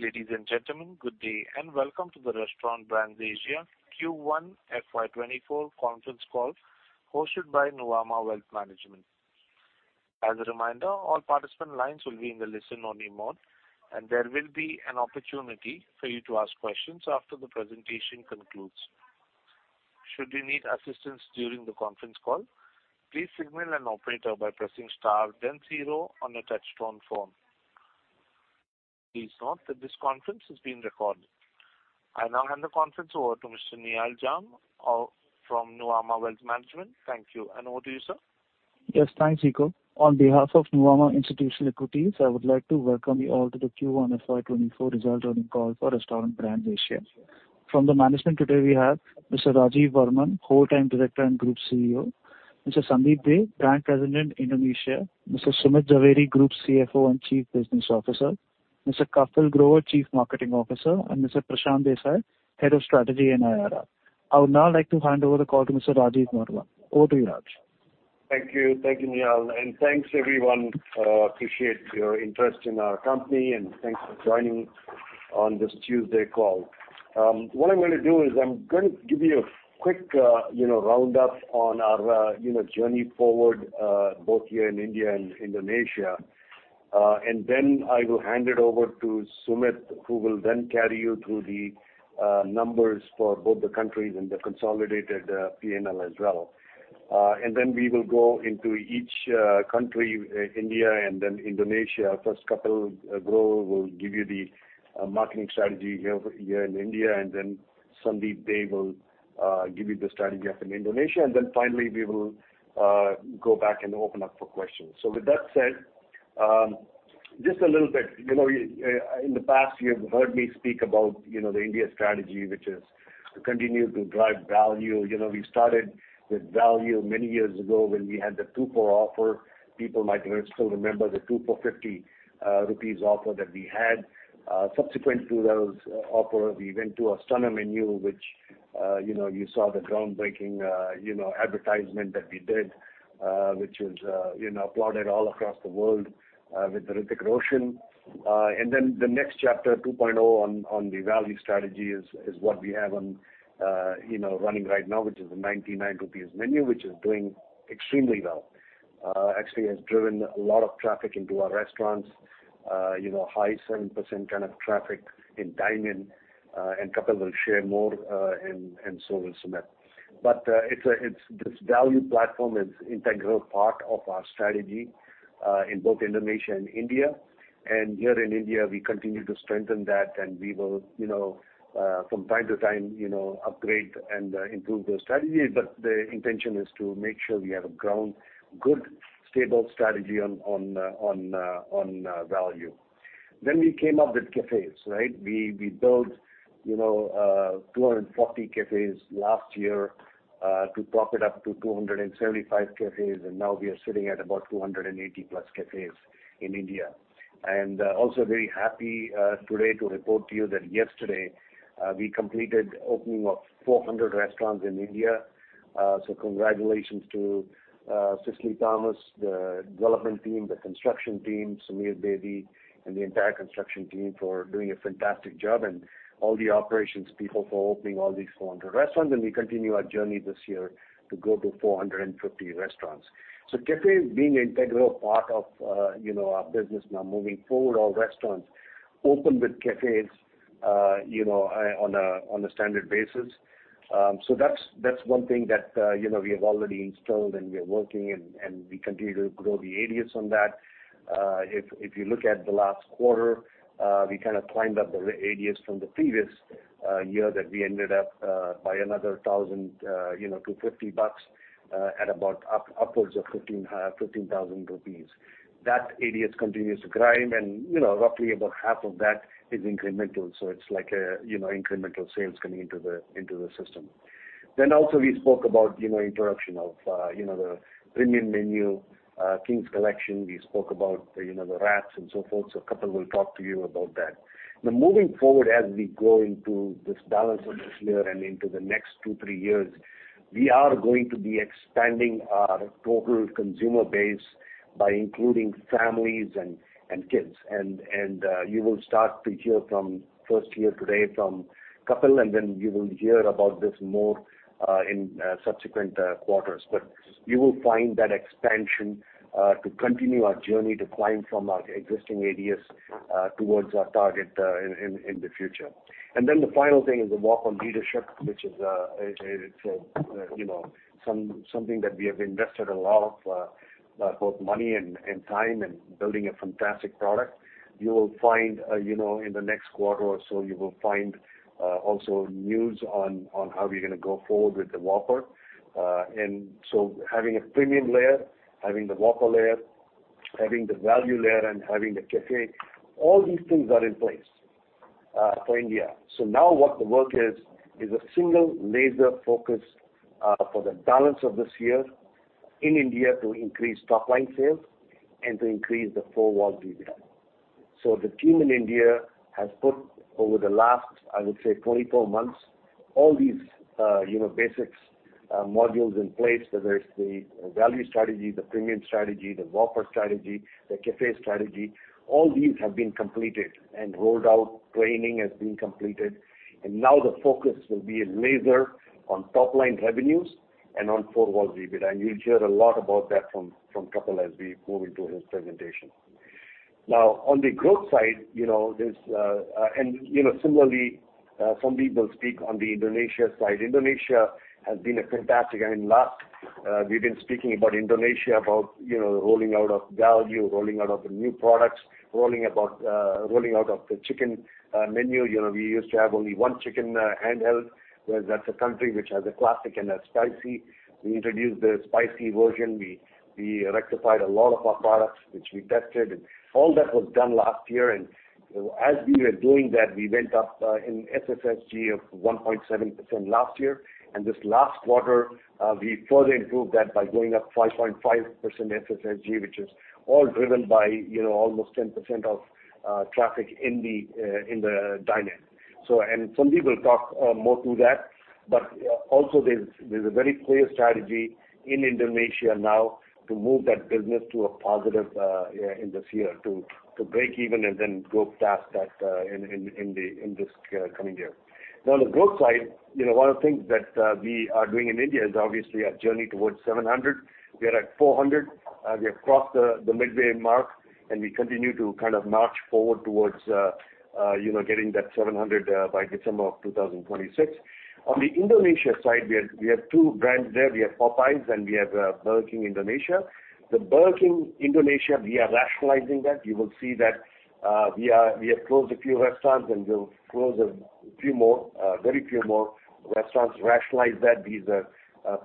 Ladies and gentlemen, good day, and welcome to the Restaurant Brands Asia Q1 FY 2024 Conference Call, hosted by Nuvama Wealth Management. As a reminder, all participant lines will be in the listen-only mode, and there will be an opportunity for you to ask questions after the presentation concludes. Should you need assistance during the conference call, please signal an operator by pressing star then zero on your touchtone phone. Please note that this conference is being recorded. I now hand the conference over to Mr. Nihal Jham from Nuvama Wealth Management. Thank you, and over to you, sir. Yes, thanks, Ikko. On behalf of Nuvama Institutional Equities, I would like to welcome you all to the Q1 FY 2024 result earning call for Restaurant Brands Asia. From the management today, we have Mr. Rajeev Varman, Whole-Time Director and Group CEO, Mr. Sandeep Dey, Brand President, Indonesia, Mr. Sumit Zaveri, Group CFO and Chief Business Officer, Mr. Kapil Grover, Chief Marketing Officer, and Mr. Prashant Desai, Head of Strategy and IR. I would now like to hand over the call to Mr. Rajeev Varman. Over to you, Raj. Thank you. Thank you, Nihal, and thanks, everyone. Appreciate your interest in our company, and thanks for joining on this Tuesday call. What I'm gonna do is I'm gonna give you a quick, you know, roundup on our, you know, journey forward, both here in India and Indonesia. Then I will hand it over to Sumit, who will then carry you through the numbers for both the countries and the consolidated P&L as well. Then we will go into each country, India and then Indonesia. First, Kapil Grover will give you the marketing strategy here, here in India, and then Sandeep Dey will give you the strategy up in Indonesia. Finally, we will go back and open up for questions. With that said, just a little bit, you know, in the past, you've heard me speak about, you know, the India strategy, which is to continue to drive value. You know, we started with value many years ago when we had the two for offer. People might still remember the two for 50 rupees offer that we had. Subsequent to those offer, we went to our Stunner menu, which, you know, you saw the groundbreaking, you know, advertisement that we did, which was, you know, applauded all across the world, with Hrithik Roshan. The next chapter, 2.0, on, on the value strategy is, is what we have on, you know, running right now, which is the 99 rupees menu, which is doing extremely well. Actually, has driven a lot of traffic into our restaurants, you know, high 7% kind of traffic in dine-in, and so will Sumit. This value platform is integral part of our strategy in both Indonesia and India. Here in India, we continue to strengthen that, and we will, you know, from time to time, you know, upgrade and improve those strategies. The intention is to make sure we have a ground, good, stable strategy on, on, on, value. We came up with cafes, right? We, we built, you know, 240 cafes last year to prop it up to 275 cafes, and now we are sitting at about 280-plus cafes in India. Also very happy today to report to you that yesterday, we completed opening of 400 restaurants in India. Congratulations to Cicely Thomas, the development team, the construction team, Samir Devi, and the entire construction team for doing a fantastic job, and all the operations people for opening all these 400 restaurants. We continue our journey this year to go to 450 restaurants. Cafes being an integral part of, you know, our business. Now, moving forward, all restaurants open with cafes, you know, on a standard basis. That's, that's one thing that, you know, we have already installed, and we are working and, and we continue to grow the ADS on that. If you look at the last quarter, we kinda climbed up the ADS from the previous year, that we ended up by another 1,000, you know, to INR 50, at about upwards of 15,000 rupees. That ADS continues to climb, and, you know, roughly about half of that is incremental, so it's like a, you know, incremental sales coming into the system. Also we spoke about, you know, introduction of, you know, the premium menu, King's Collection. We spoke about, you know, the wraps and so forth, Kapil will talk to you about that. Moving forward, as we go into this balance of this year and into the next two, three years, we are going to be expanding our total consumer base by including families and kids. You will start to hear from, first hear today from Kapil, and then you will hear about this more in subsequent quarters. You will find that expansion to continue our journey to climb from our existing ADAs towards our target in, in, in the future. The final thing is the Whopper leadership, which is, you know, something that we have invested a lot of both money and time in building a fantastic product. You will find, you know, in the next quarter or so, you will find also news on, on how we're gonna go forward with the Whopper. So having a premium layer, having the Whopper layer, having the value layer, and having the cafe, all these things are in place for India. Now what the work is, is a single laser focus for the balance of this year in India to increase top-line sales and to increase the four-wall EBITDA. The team in India has put over the last, I would say, 24 months. All these, you know, basics modules in place, whether it's the value strategy, the premium strategy, the Whopper strategy, the Café strategy, all these have been completed and rolled out. Training has been completed, and now the focus will be a laser on top-line revenues and on four-wall EBITDA. You'll hear a lot about that from, from Kapil as we move into his presentation. Now, on the growth side, you know, there's, and, you know, similarly, some people speak on the Indonesia side. Indonesia has been a fantastic, and last, we've been speaking about Indonesia, about, you know, rolling out of value, rolling out of the new products, rolling out of the chicken menu. You know, we used to have only one chicken handheld, whereas that's a country which has a classic and a spicy. We introduced the spicy version. We rectified a lot of our products, which we tested, and all that was done last year. As we were doing that, we went up in SSSG of 1.7% last year. This last quarter, we further improved that by going up 5.5% SSSG, which is all driven by, you know, almost 10% of traffic in the dine-in. And Sandeep will talk more to that, but also there's, there's a very clear strategy in Indonesia now to move that business to a positive, yeah, in this year, to break even and then grow past that in, in, in the, in this coming year. Now, on the growth side, you know, one of the things that we are doing in India is obviously a journey towards 700. We are at 400. We have crossed the midway mark, and we continue to kind of march forward towards, you know, getting that 700 by December of 2026. On the Indonesia side, we have, we have two brands there. We have Popeyes and we have Burger King Indonesia. The Burger King Indonesia, we are rationalizing that. You will see that we have closed a few restaurants, and we'll close a few more, very few more restaurants, rationalize that. These are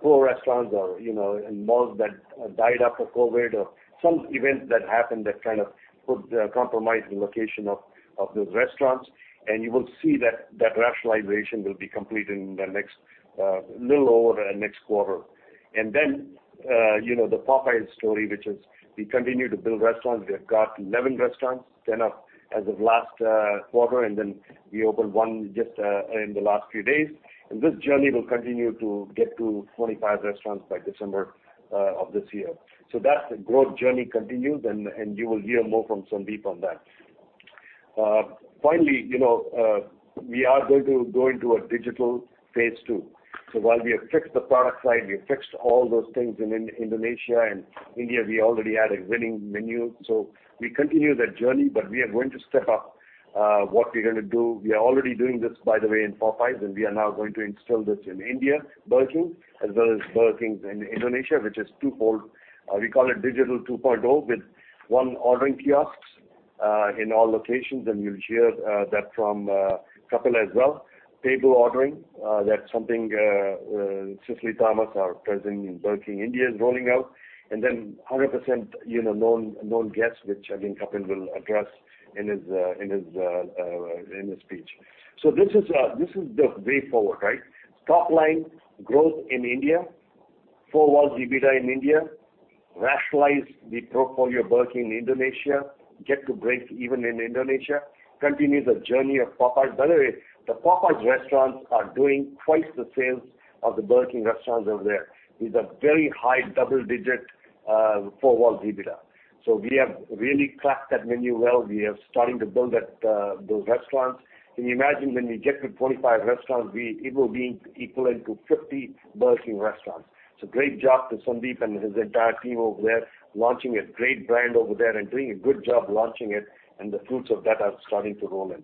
poor restaurants or, you know, in malls that died after COVID or some event that happened that kind of put compromised the location of those restaurants. You will see that that rationalization will be complete in the next little over the next quarter. Then, you know, the Popeyes story, which is we continue to build restaurants. We have got 11 restaurants, 10 up as of last quarter, and then we opened one just in the last few days. This journey will continue to get to 25 restaurants by December of this year. That growth journey continues, and you will hear more from Sandeep on that. Finally, you know, we are going to go into a digital phase two. While we have fixed the product side, we fixed all those things in Indonesia and India. We already had a winning menu, so we continue that journey. We are going to step up what we're gonna do. We are already doing this, by the way, in Popeyes, and we are now going to install this in India, Burger King, as well as Burger Kings in Indonesia, which is two-fold. We call it Digital 2.0, with one, ordering kiosks in all locations, and you'll hear that from Kapil as well. Table ordering, that's something Cecily Thomas, our President in Burger King India, is rolling out. Then 100%, you know, known, known guests, which I think Kapil will address in his speech. This is the way forward, right? Top line growth in India, four-wall EBITDA in India, rationalize the portfolio of Burger King Indonesia, get to break even in Indonesia, continue the journey of Popeyes. By the way, the Popeyes restaurants are doing 2x the sales of the Burger King restaurants over there. These are very high double-digit, four-wall EBITDA. We have really cracked that menu well. We are starting to build that, those restaurants. Can you imagine when we get to 25 restaurants, it will be equivalent to 50 Burger King restaurants? Great job to Sandeep and his entire team over there, launching a great brand over there and doing a good job launching it, and the fruits of that are starting to roll in.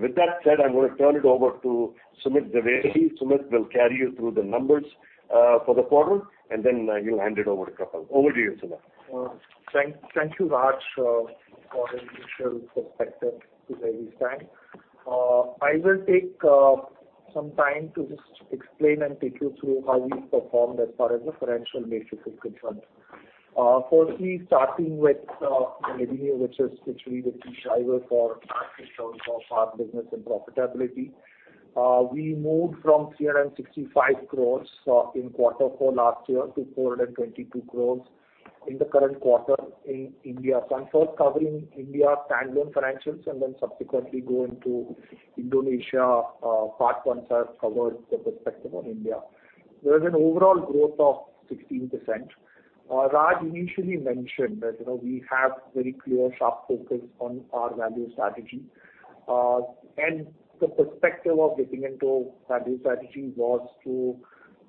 With that said, I'm going to turn it over to Sumit Zaveri. Sumit will carry you through the numbers for the quarter, and then he'll hand it over to Kapil. Over to you, Sumit. Thank, thank you, Raj, for the initial perspective today, this time. I will take some time to just explain and take you through how we performed as far as the financial matrix is concerned. Firstly, starting with the revenue, which is literally the key driver for in terms of our business and profitability. We moved from 365 crores in quarter four last year to 422 crores in the current quarter in India. I'm first covering India standalone financials and then subsequently go into Indonesia part once I've covered the perspective on India. There is an overall growth of 16%. Raj initially mentioned that, you know, we have very clear, sharp focus on our value strategy. The perspective of getting into value strategy was to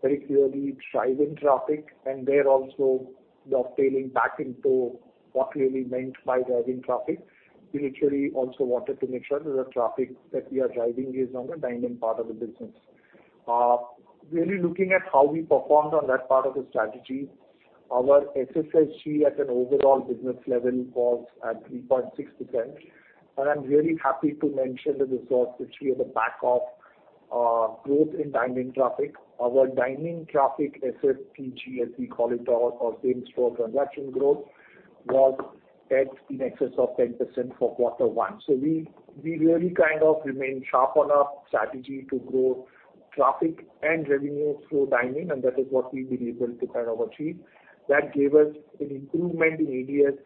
very clearly drive in traffic, and there also dovetailing back into what we really meant by driving traffic. We literally also wanted to make sure that the traffic that we are driving is on the dine-in part of the business. really looking at how we performed on that part of the strategy, our SSSG at an overall business level was at 3.6%. I'm really happy to mention the results, which we have a back of, growth in dine-in traffic. Our dine-in traffic, SSPG, as we call it out, or same-store transaction growth, was at in excess of 10% for Q1. We, we really kind of remained sharp on our strategy to grow traffic and revenue through dine-in, and that is what we've been able to kind of achieve. That gave us an improvement in ADS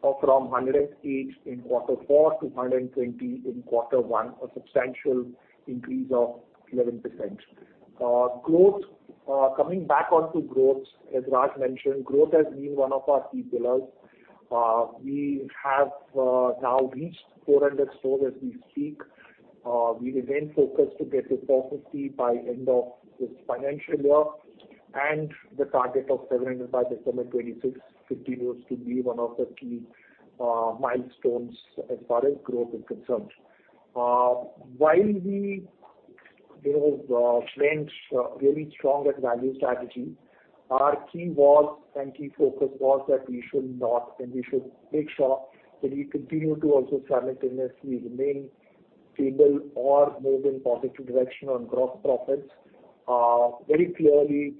Four to 120 in Q1, a substantial increase of 11%. Coming back on to growth, as Raj mentioned, growth has been one of our key pillars. We have now reached 400 stores as we speak. We remain focused to get to 450 by end of this financial year, and the target of 700 by December 2026, 15 years to be one of the key milestones as far as growth is concerned. While we remained really strong at value strategy, our key was and key focus was that we should not, and we should make sure that we continue to also simultaneously remain stable or move in positive direction on gross profits. Very clearly,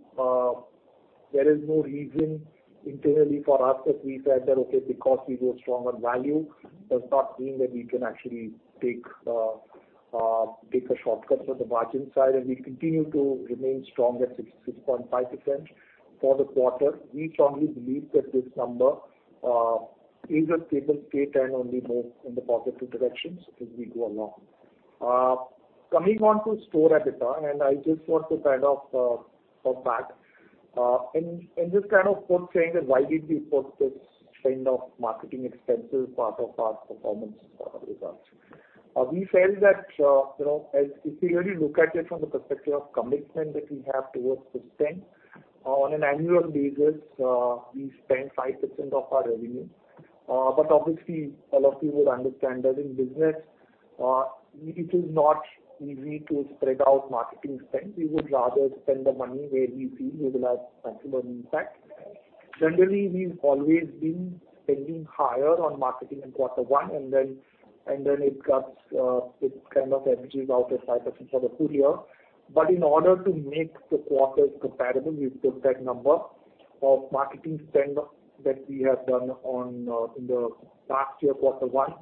there is no reason internally for us that we said that, okay, because we go strong on value, does not mean that we can actually take a shortcut on the margin side, and we continue to remain strong at 66.5%. For the quarter, we strongly believe that this number is a stable state and only move in the positive directions as we go along. Coming on to store EBITDA, and I just want to kind of hop back and just kind of put saying that why did we put this kind of marketing expenses part of our performance results? We felt that, you know, as if you really look at it from the perspective of commitment that we have towards system, on an annual basis, we spend 5% of our revenue. Obviously, a lot of people understand that in business, it is not easy to spread out marketing spend. We would rather spend the money where we feel we will have maximum impact. Generally, we've always been spending higher on marketing in quarter one, and then, and then it gets, it kind of averages out at 5% for the full year. In order to make the quarters comparable, we put that number of marketing spend that we have done on, in the past year, quarter one,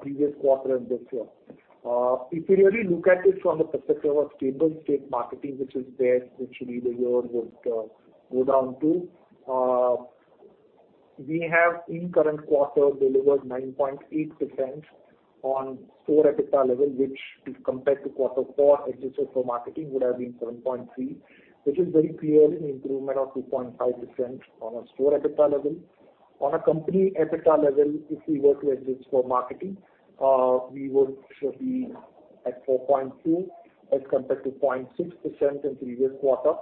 previous quarter and this year. If you really look at it from the perspective of a stable state marketing, which is there, which really the year would go down to, we have in current quarter delivered 9.8% on store EBITDA level, which if compared to quarter four, adjusted for marketing, would have been 7.3%, which is very clearly an improvement of 2.5% on a store EBITDA level. On a company EBITDA level, if we were to adjust for marketing, we would should be at 4.2%, as compared to 0.6% in the previous quarter.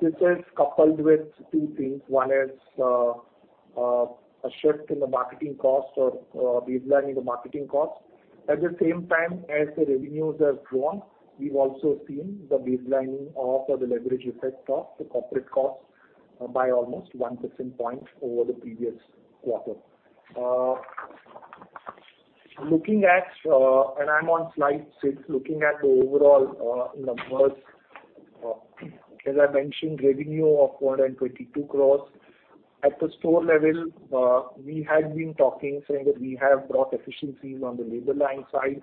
This is coupled with two things. One is a shift in the marketing cost or baselining the marketing cost. At the same time, as the revenues have grown, we've also seen the baselining of or the leverage effect of the corporate costs by almost 1 percent point over the previous quarter. Looking at, and I'm on slide six, looking at the overall numbers, as I mentioned, revenue of 422 crore. At the store level, we had been talking, saying that we have brought efficiencies on the labor line side,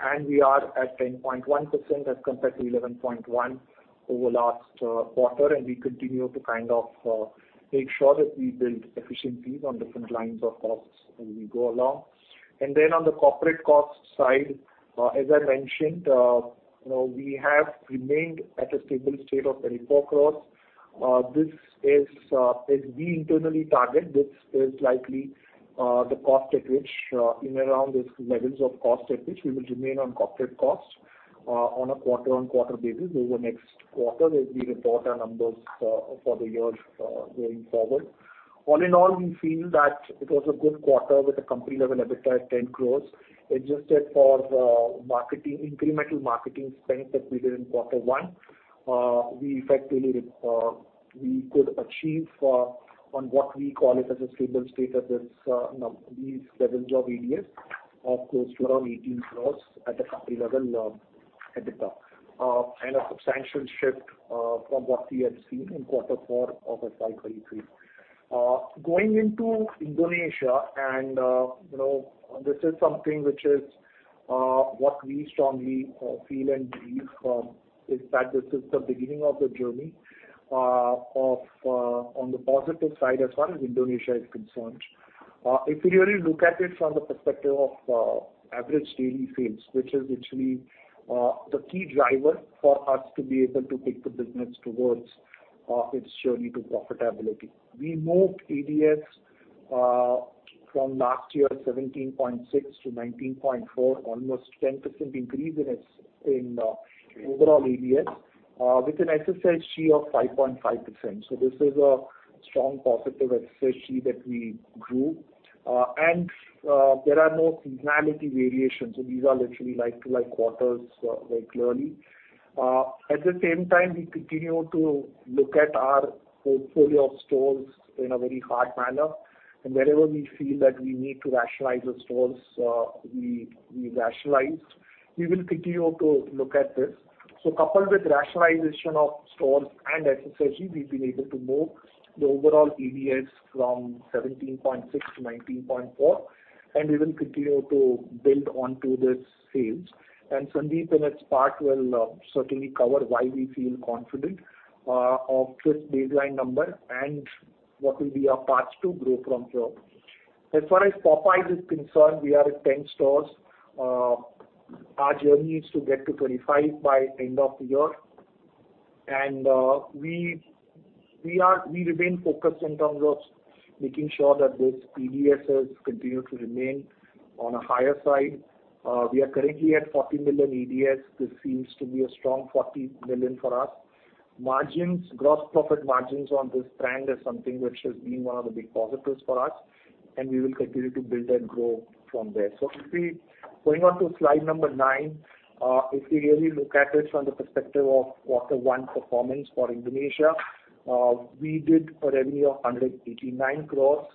and we are at 10.1% as compared to 11.1% over last quarter, and we continue to kind of make sure that we build efficiencies on different lines of costs as we go along. On the corporate cost side, as I mentioned, you know, we have remained at a stable state of 24 crore. This is, as we internally target, this is likely the cost at which, in around these levels of cost at which we will remain on corporate costs, on a quarter-on-quarter basis over next quarter, as we report our numbers for the year going forward. All in all, we feel that it was a good quarter with a company level EBITDA of 10 crore. Adjusted for marketing, incremental marketing spend that we did in Q1, we effectively we could achieve on what we call it as a stable state at these levels of ADAs of close to around 18 crore at the company level EBITDA. A substantial shift from what we had seen in Q4 of at 533. Going into Indonesia, you know, this is something which is what we strongly feel and believe is that this is the beginning of the journey on the positive side, as far as Indonesia is concerned. If you really look at it from the perspective of average daily sales, which is literally the key driver for us to be able to take the business towards its journey to profitability. We moved ADAs from last year, 17.6 to 19.4, almost 10% increase in its overall ADAs, with an SSG of 5.5%. This is a strong positive SSG that we grew. There are no seasonality variations, so these are literally like-to-like quarters very clearly. At the same time, we continue to look at our portfolio of stores in a very hard manner, and wherever we feel that we need to rationalize the stores, we, we rationalize. We will continue to look at this. Coupled with rationalization of stores and SSG, we've been able to move the overall ADAs from 17.6 to 19.4. We will continue to build onto this sales. Sandeep, in his part, will certainly cover why we feel confident of this baseline number and what will be our path to grow from here. As far as Popeyes is concerned, we are at 10 stores. Our journey is to get to 25 by end of the year. We, we remain focused in terms of making sure that this PDSs continue to remain on a higher side. We are currently at 40 million EDS. This seems to be a strong 40 million for us. Margins, gross profit margins on this brand is something which has been one of the big positives for us, and we will continue to build and grow from there. If we going on to slide number 9, if we really look at it from the perspective of quarter one performance for Indonesia, we did a revenue of 189 crore,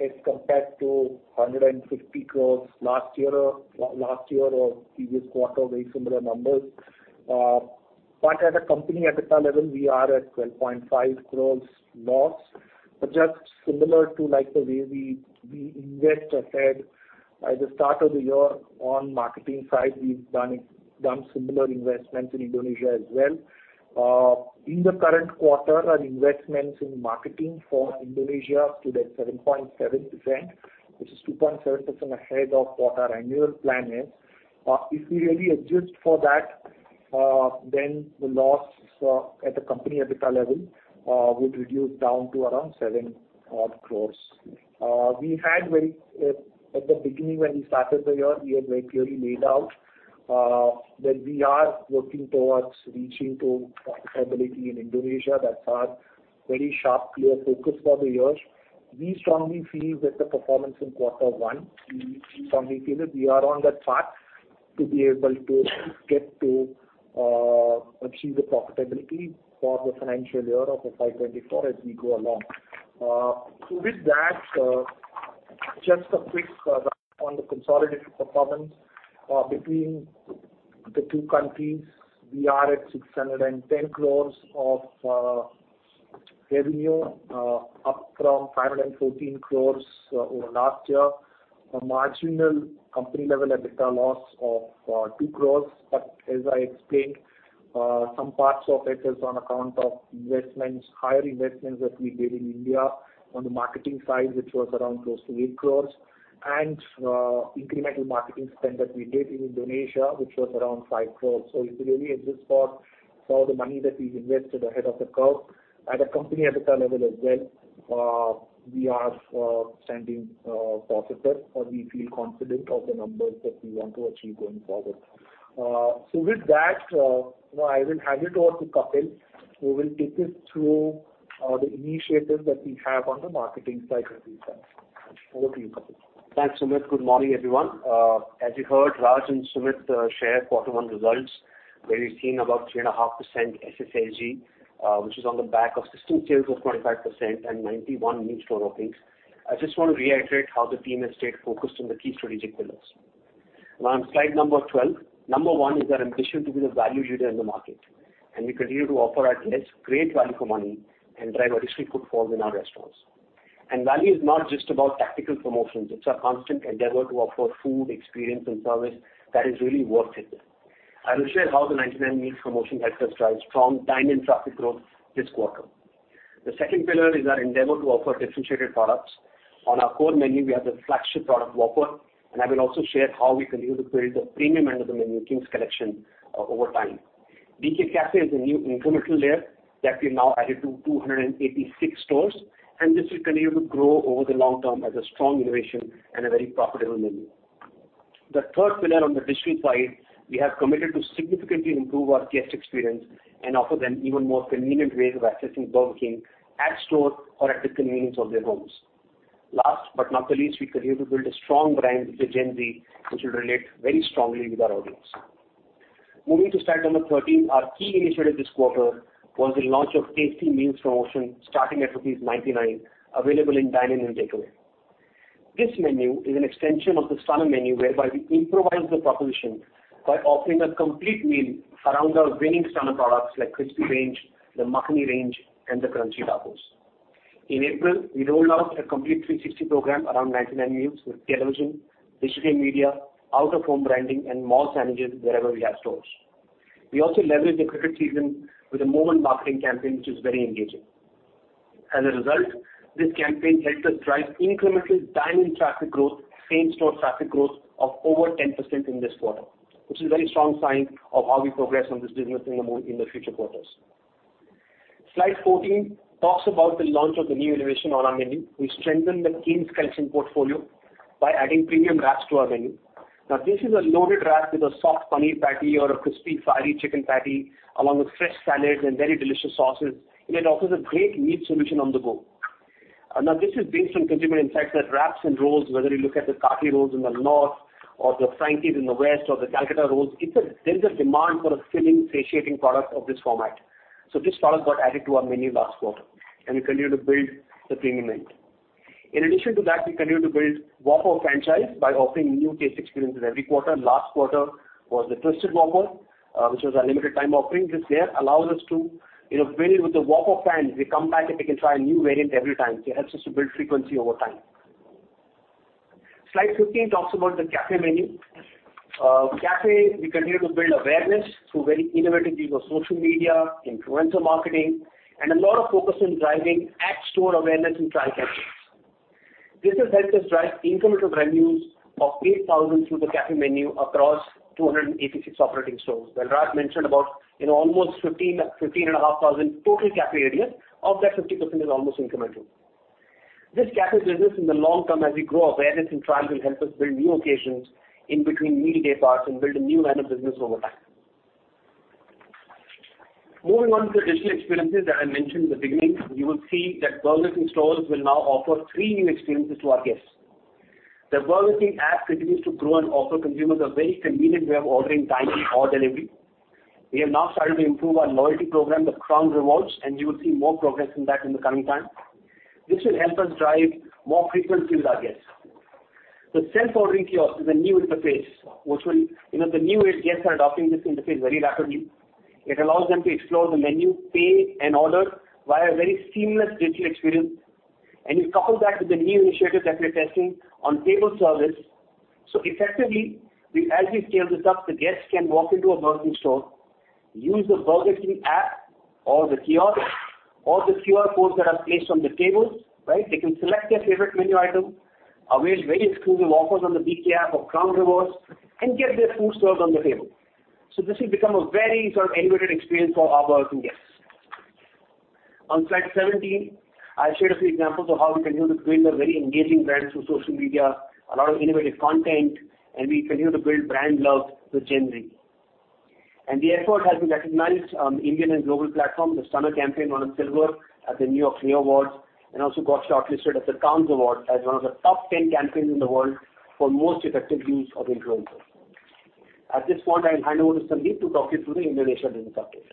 as compared to 150 crore last year, last year or previous quarter, very similar numbers. As a company, at the top level, we are at 12.5 crore loss. Just similar to like the way we, we invest ahead, at the start of the year on marketing side, we've done it, done similar investments in Indonesia as well. Uh, in the current quarter, our investments in marketing for Indonesia stood at seven point seven percent, which is two point seven percent ahead of what our annual plan is. Uh, if we really adjust for that, uh, then the loss, uh, at the company EBITDA level, uh, would reduce down to around seven odd crores. Uh, we had very, uh... At the beginning, when we started the year, we had very clearly laid out, uh, that we are working towards reaching to profitability in Indonesia. That's our very sharp, clear focus for the year. We strongly feel that the performance in quarter one, we strongly feel that we are on that path to be able to get to, uh, achieve the profitability for the financial year of the five twenty-four as we go along. With that, just a quick, on the consolidated performance, between the two countries. We are at 610 crores of revenue, up from 514 crores over last year. A marginal company-level EBITDA loss of 2 crores. As I explained, some parts of it is on account of investments, higher investments that we did in India. On the marketing side, which was around close to 8 crores, and incremental marketing spend that we did in Indonesia, which was around 5 crores. If you really adjust for, for the money that we invested ahead of the curve, at a company EBITDA level as well, we are standing positive, or we feel confident of the numbers that we want to achieve going forward. With that, now I will hand it over to Kapil, who will take us through the initiatives that we have on the marketing side of things. Over to you, Kapil. Thanks, Sumit. Good morning, everyone. As you heard, Raj and Sumit share quarter one results, where we've seen about 3.5% SSAG, which is on the back of system sales of 25% and 91 new store openings. I just want to reiterate how the team has stayed focused on the key strategic pillars. Now, on slide number 12, number one is our ambition to be the value leader in the market, and we continue to offer our guests great value for money and drive additional footfalls in our restaurants. Value is not just about tactical promotions, it's a constant endeavor to offer food, experience and service that is really worth it. I will share how the 99 meals promotion helped us drive strong dine-in traffic growth this quarter. The second pillar is our endeavor to offer differentiated products. On our core menu, we have the flagship product, Whopper, and I will also share how we continue to build the premium end of the menu, King's Collection, over time. BK Cafe is a new incremental layer that we've now added to 286 stores, and this will continue to grow over the long term as a strong innovation and a very profitable menu. The third pillar on the district side, we have committed to significantly improve our guest experience and offer them even more convenient ways of accessing Burger King at store or at the convenience of their homes. Last but not least, we continue to build a strong brand with the Gen Z, which will relate very strongly with our audience. Moving to slide number 13, our key initiative this quarter was the launch of Tasty Meals Promotion, starting at rupees 99, available in dine-in and takeaway. This menu is an extension of the summer menu, whereby we improvised the proposition by offering a complete meal around our winning summer products, like Crispy Range, the Makhani Range, and the Crunchy Tacos. In April, we rolled out a complete 360 program around 99 meals, with television, digital media, out-of-home branding, and mall sandwiches wherever we have stores. We also leveraged the cricket season with a moment marketing campaign, which is very engaging. As a result, this campaign helped us drive incremental dine-in traffic growth, same-store traffic growth of over 10% in this quarter, which is a very strong sign of how we progress on this business in the future quarters. Slide 14 talks about the launch of the new innovation on our menu. We strengthened the King's Collection portfolio by adding premium wraps to our menu. Now, this is a loaded wrap with a soft paneer patty or a crispy fiery chicken patty, along with fresh salads and very delicious sauces, and it offers a great meal solution on the go. Now, this is based on consumer insights that wraps and rolls, whether you look at the kathi rolls in the north or the frankies in the west or the Calcutta rolls, it's a demand for a filling, satiating product of this format. This product got added to our menu last quarter, and we continue to build the premium end. In addition to that, we continue to build Whopper franchise by offering new taste experiences every quarter. Last quarter was the Twisted Whopper-... which was our limited time offering, is there allows us to, you know, build with the walk of fans. They come back and they can try a new variant every time. It helps us to build frequency over time. Slide 15 talks about the cafe menu. Cafe, we continue to build awareness through very innovative use of social media, influencer marketing, and a lot of focus on driving at store awareness and trial captions. This has helped us drive incremental revenues of 8,000 through the cafe menu across 286 operating stores. Well, Rajeev mentioned about, you know, almost 15,500 total cafe areas. Of that, 50% is almost incremental. This cafe business, in the long term, as we grow awareness and trials, will help us build new occasions in between meal day parts and build a new line of business over time. Moving on to digital experiences that I mentioned in the beginning, you will see that Burger King stores will now offer three new experiences to our guests. The Burger King app continues to grow and offer consumers a very convenient way of ordering dine-in or delivery. We have now started to improve our loyalty program, the Crown Rewards, and you will see more progress in that in the coming time. This will help us drive more frequency with our guests. The self-ordering kiosk is a new interface, which will, you know, the new guests are adopting this interface very rapidly. It allows them to explore the menu, pay and order via a very seamless digital experience. You couple that with the new initiatives that we're testing on table service. Effectively, as we scale this up, the guests can walk into a Burger King store, use the Burger King app or the kiosk or the QR codes that are placed on the tables, right? They can select their favorite menu item, avail very exclusive offers on the BK app or Crown Rewards, and get their food served on the table. This will become a very sort of elevated experience for our Burger King guests. On slide 17, I shared a few examples of how we continue to build a very engaging brand through social media, a lot of innovative content, and we continue to build brand love with Gen Z. The effort has been recognized on Indian and global platforms. The summer campaign won a silver at the New York Neo Awards, and also got shortlisted at the Cannes Award as one of the top 10 campaigns in the world for most effective use of influencers. At this point, I'll hand over to Sandeep to talk you through the Indonesia business update.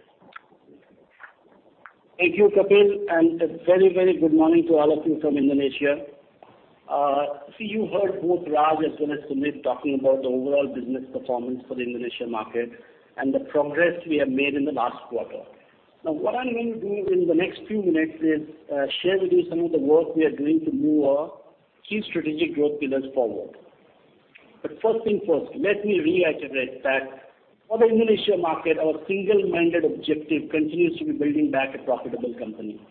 Thank you, Kapil, and a very, very good morning to all of you from Indonesia. You heard both Raj as well as Sumit talking about the overall business performance for the Indonesia market and the progress we have made in the last quarter. What I'm going to do in the next few minutes is share with you some of the work we are doing to move our key strategic growth pillars forward. First things first, let me reiterate that for the Indonesia market, our single-minded objective continues to be building back a profitable company.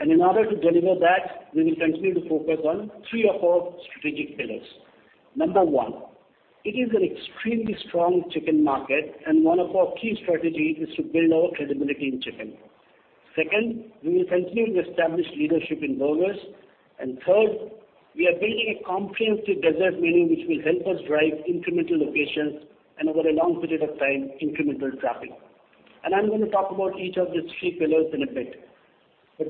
In order to deliver that, we will continue to focus on three of our strategic pillars. Number one, it is an extremely strong chicken market, and one of our key strategies is to build our credibility in chicken. Second, we will continue to establish leadership in burgers. Third, we are building a comprehensive dessert menu, which will help us drive incremental locations and, over a long period of time, incremental traffic. I'm going to talk about each of these three pillars in a bit.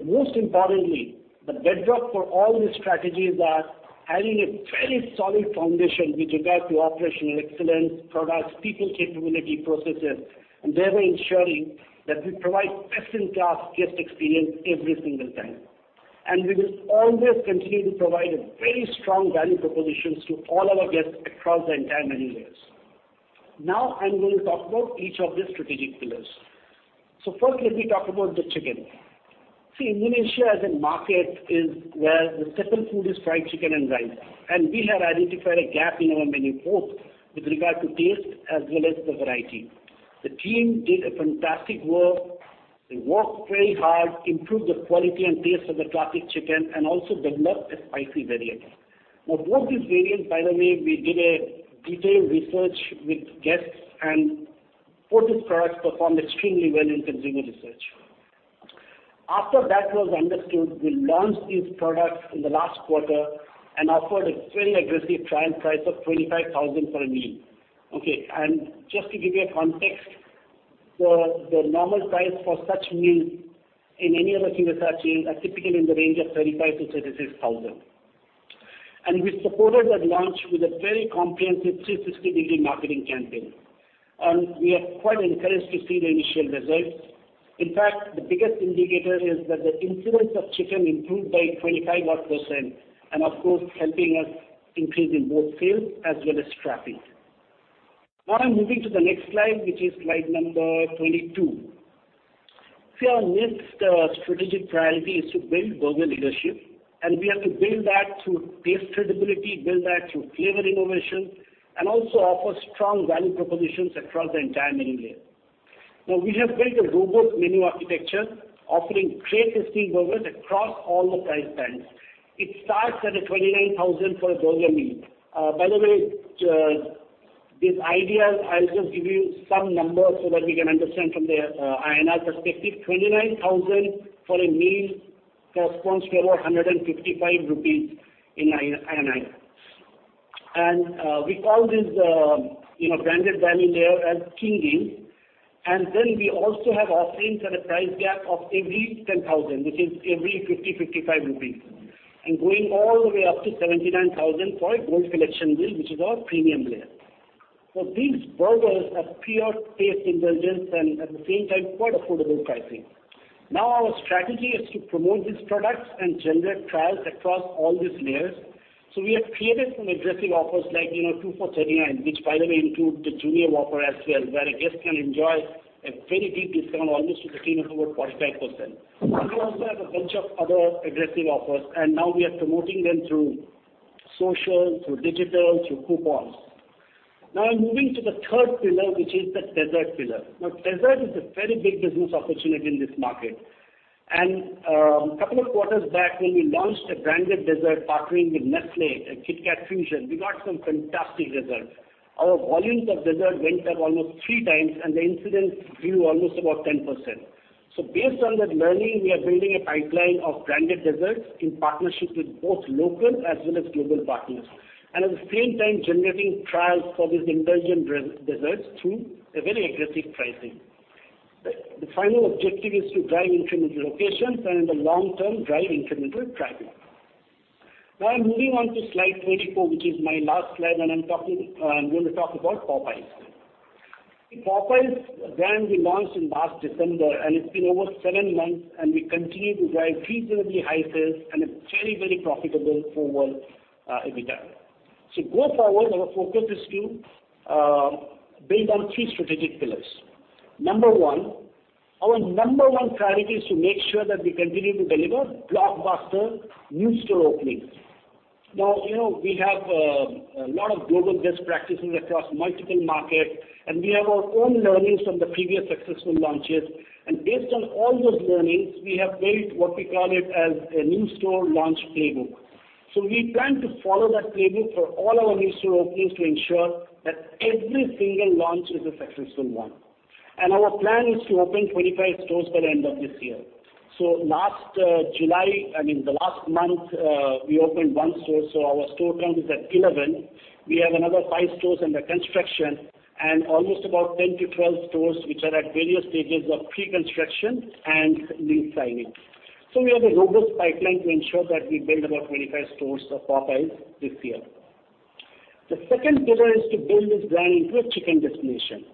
Most importantly, the bedrock for all these strategies are having a very solid foundation with regard to operational excellence, products, people, capability, processes, and thereby ensuring that we provide best-in-class guest experience every single time. We will always continue to provide a very strong value propositions to all our guests across the entire menu layers. I'm going to talk about each of the strategic pillars. First, let me talk about the chicken. See, Indonesia as a market is where the staple food is fried chicken and rice, and we have identified a gap in our menu both with regard to taste as well as the variety. The team did a fantastic work. They worked very hard, improved the quality and taste of the classic chicken, and also developed a spicy variant. Now, both these variants, by the way, we did a detailed research with guests, and both these products performed extremely well in consumer research. After that was understood, we launched these products in the last quarter and offered a very aggressive trial price of 25,000 for a meal. Okay, just to give you a context, the normal price for such meals in any other quick service restaurant are typically in the range of 35,000-36,000. We supported that launch with a very comprehensive 360-degree marketing campaign, and we are quite encouraged to see the initial results. In fact, the biggest indicator is that the incidence of chicken improved by 25% odd. Of course, helping us increase in both sales as well as traffic. I'm moving to the next slide, which is slide number 22. Our next strategic priority is to build burger leadership. We have to build that through taste credibility, build that through flavor innovation, and also offer strong value propositions across the entire menu layer. We have built a robust menu architecture, offering great-tasting burgers across all the price bands. It starts at a 29,000 for a burger meal. By the way, these ideas, I'll just give you some numbers so that we can understand from the INR perspective. 29,000 for a meal corresponds to around 155 rupees. We call this, you know, branded value layer as Kinging. We also have offerings at a price gap of every 10,000, which is every 50-55 rupees, and going all the way up to 79,000 for a gold collection meal, which is our premium layer. These burgers are pure taste indulgence and, at the same time, quite affordable pricing. Now our strategy is to promote these products and generate trials across all these layers. We have created some aggressive offers like, you know, 2 for 39, which by the way, include the junior whopper as well, where a guest can enjoy a very deep discount, almost to the tune of about 45%. We also have a bunch of other aggressive offers, and now we are promoting them through social, through digital, through coupons. Now, moving to the third pillar, which is the dessert pillar. Now, dessert is a very big business opportunity in this market. A couple of quarters back, when we launched a branded dessert partnering with Nestlé, a Kit Kat Fusion, we got some fantastic results. Our volumes of dessert went up almost 3 times, and the incidence grew almost about 10%. Based on that learning, we are building a pipeline of branded desserts in partnership with both local as well as global partners, and at the same time generating trials for these indulgent desserts through a very aggressive pricing. The final objective is to drive incremental locations and in the long term, drive incremental traffic. Now I'm moving on to slide 24, which is my last slide, and I'm talking, I'm going to talk about Popeyes. The Popeyes brand we launched in last December, and it's been over seven months, and we continue to drive reasonably high sales and a very, very profitable overall EBITDA. Go forward, our focus is to build on three strategic pillars. Number one, our number one priority is to make sure that we continue to deliver blockbuster new store openings. Now, you know, we have a lot of global best practices across multiple markets, and we have our own learnings from the previous successful launches. Based on all those learnings, we have built what we call it as a new store launch playbook. We plan to follow that playbook for all our new store openings to ensure that every single launch is a successful one. Our plan is to open 25 stores by the end of this year. Last July, I mean, the last month, we opened 1 store. Our store count is at 11. We have another five stores under construction and almost about 10-12 stores, which are at various stages of pre-construction and lease signing. We have a robust pipeline to ensure that we build about 25 stores of Popeyes this year. The second pillar is to build this brand into a chicken destination.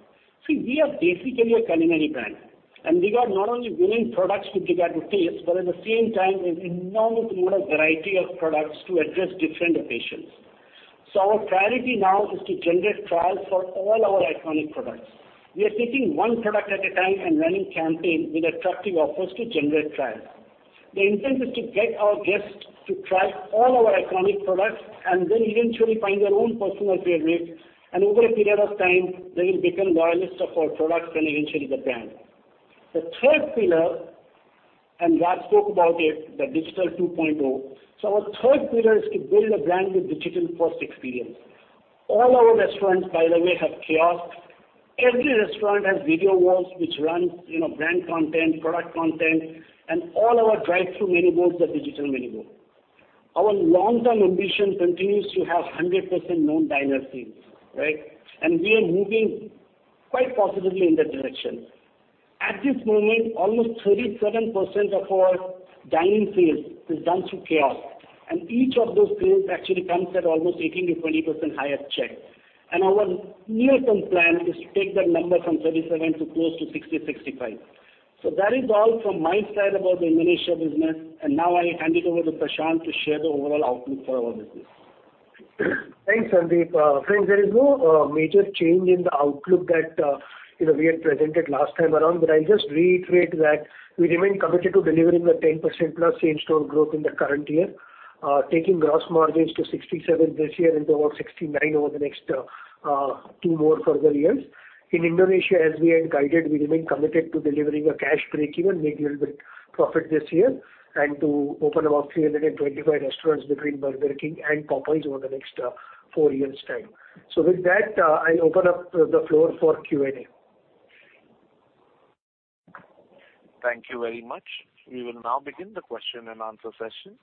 See, we are basically a culinary brand, and we are not only winning products to give out to taste, but at the same time, an enormous amount of variety of products to address different occasions. Our priority now is to generate trials for all our iconic products. We are taking 1 product at a time and running campaign with attractive offers to generate trials. The intent is to get our guests to try all our iconic products and then eventually find their own personal favorite. Over a period of time, they will become loyalists of our products and eventually the brand. The third pillar, Raj spoke about it, the Digital 2.0. Our third pillar is to build a brand with digital-first experience. All our restaurants, by the way, have kiosks. Every restaurant has video walls, which run, you know, brand content, product content, and all our drive-through menu boards are digital menu board. Our long-term ambition continues to have 100% known diner seats, right? We are moving quite positively in that direction. At this moment, almost 37% of our dine-in sales is done through kiosk, and each of those sales actually comes at almost 18%-20% higher check. Our near-term plan is to take that number from 37 to close to 60-65. That is all from my side about the Indonesia business, and now I hand it over to Prashant to share the overall outlook for our business. Thanks, Sandeep. Friends, there is no major change in the outlook that, you know, we had presented last time around. I'll just reiterate that we remain committed to delivering the 10% plus same-store growth in the current year, taking gross margins to 67% this year and to about 69% over the next 2 more further years. In Indonesia, as we had guided, we remain committed to delivering a cash breakeven, maybe a little bit profit this year, and to open about 325 restaurants between Burger King and Popeyes over the next 4 years' time. With that, I open up the floor for Q&A. Thank you very much. We will now begin the question-and-answer session.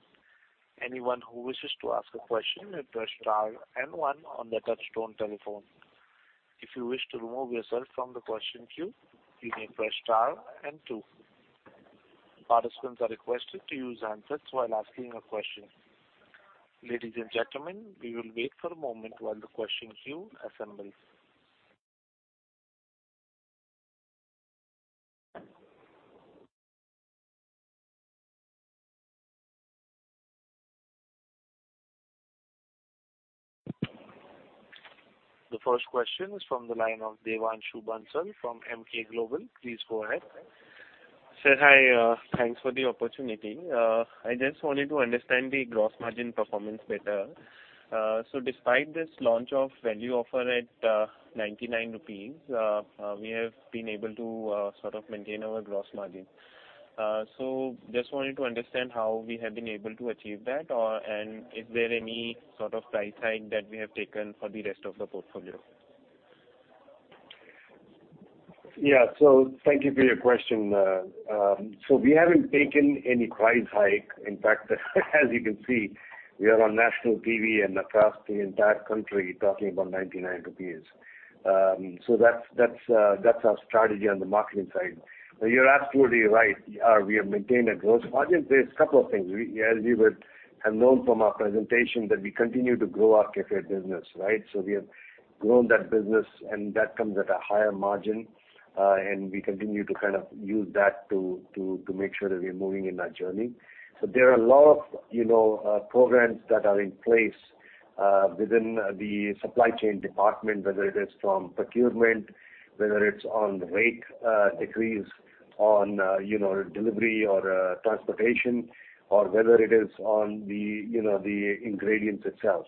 Anyone who wishes to ask a question may press star and one on their touchtone telephone. If you wish to remove yourself from the question queue, you may press star and two. Participants are requested to use handsets while asking a question. Ladies and gentlemen, we will wait for a moment while the question queue assembles. The first question is from the line of Devanshu Bansal from Emkay Global. Please go ahead. Sir, hi, thanks for the opportunity. I just wanted to understand the gross margin performance better. Despite this launch of value offer at 99 rupees, we have been able to sort of maintain our gross margin. Just wanted to understand how we have been able to achieve that, is there any sort of price hike that we have taken for the rest of the portfolio? Yeah. Thank you for your question. We haven't taken any price hike. In fact, as you can see, we are on national TV and across the entire country talking about 99 rupees. That's our strategy on the marketing side. You're absolutely right, we have maintained a gross margin. There's a couple of things. As you would have known from our presentation, that we continue to grow our cafe business, right? We have grown that business, and that comes at a higher margin, and we continue to kind of use that to make sure that we're moving in that journey. There are a lot of, you know, programs that are in place-... within the supply chain department, whether it is from procurement, whether it's on rate, decrease on, you know, delivery or transportation, or whether it is on the, you know, the ingredients itself.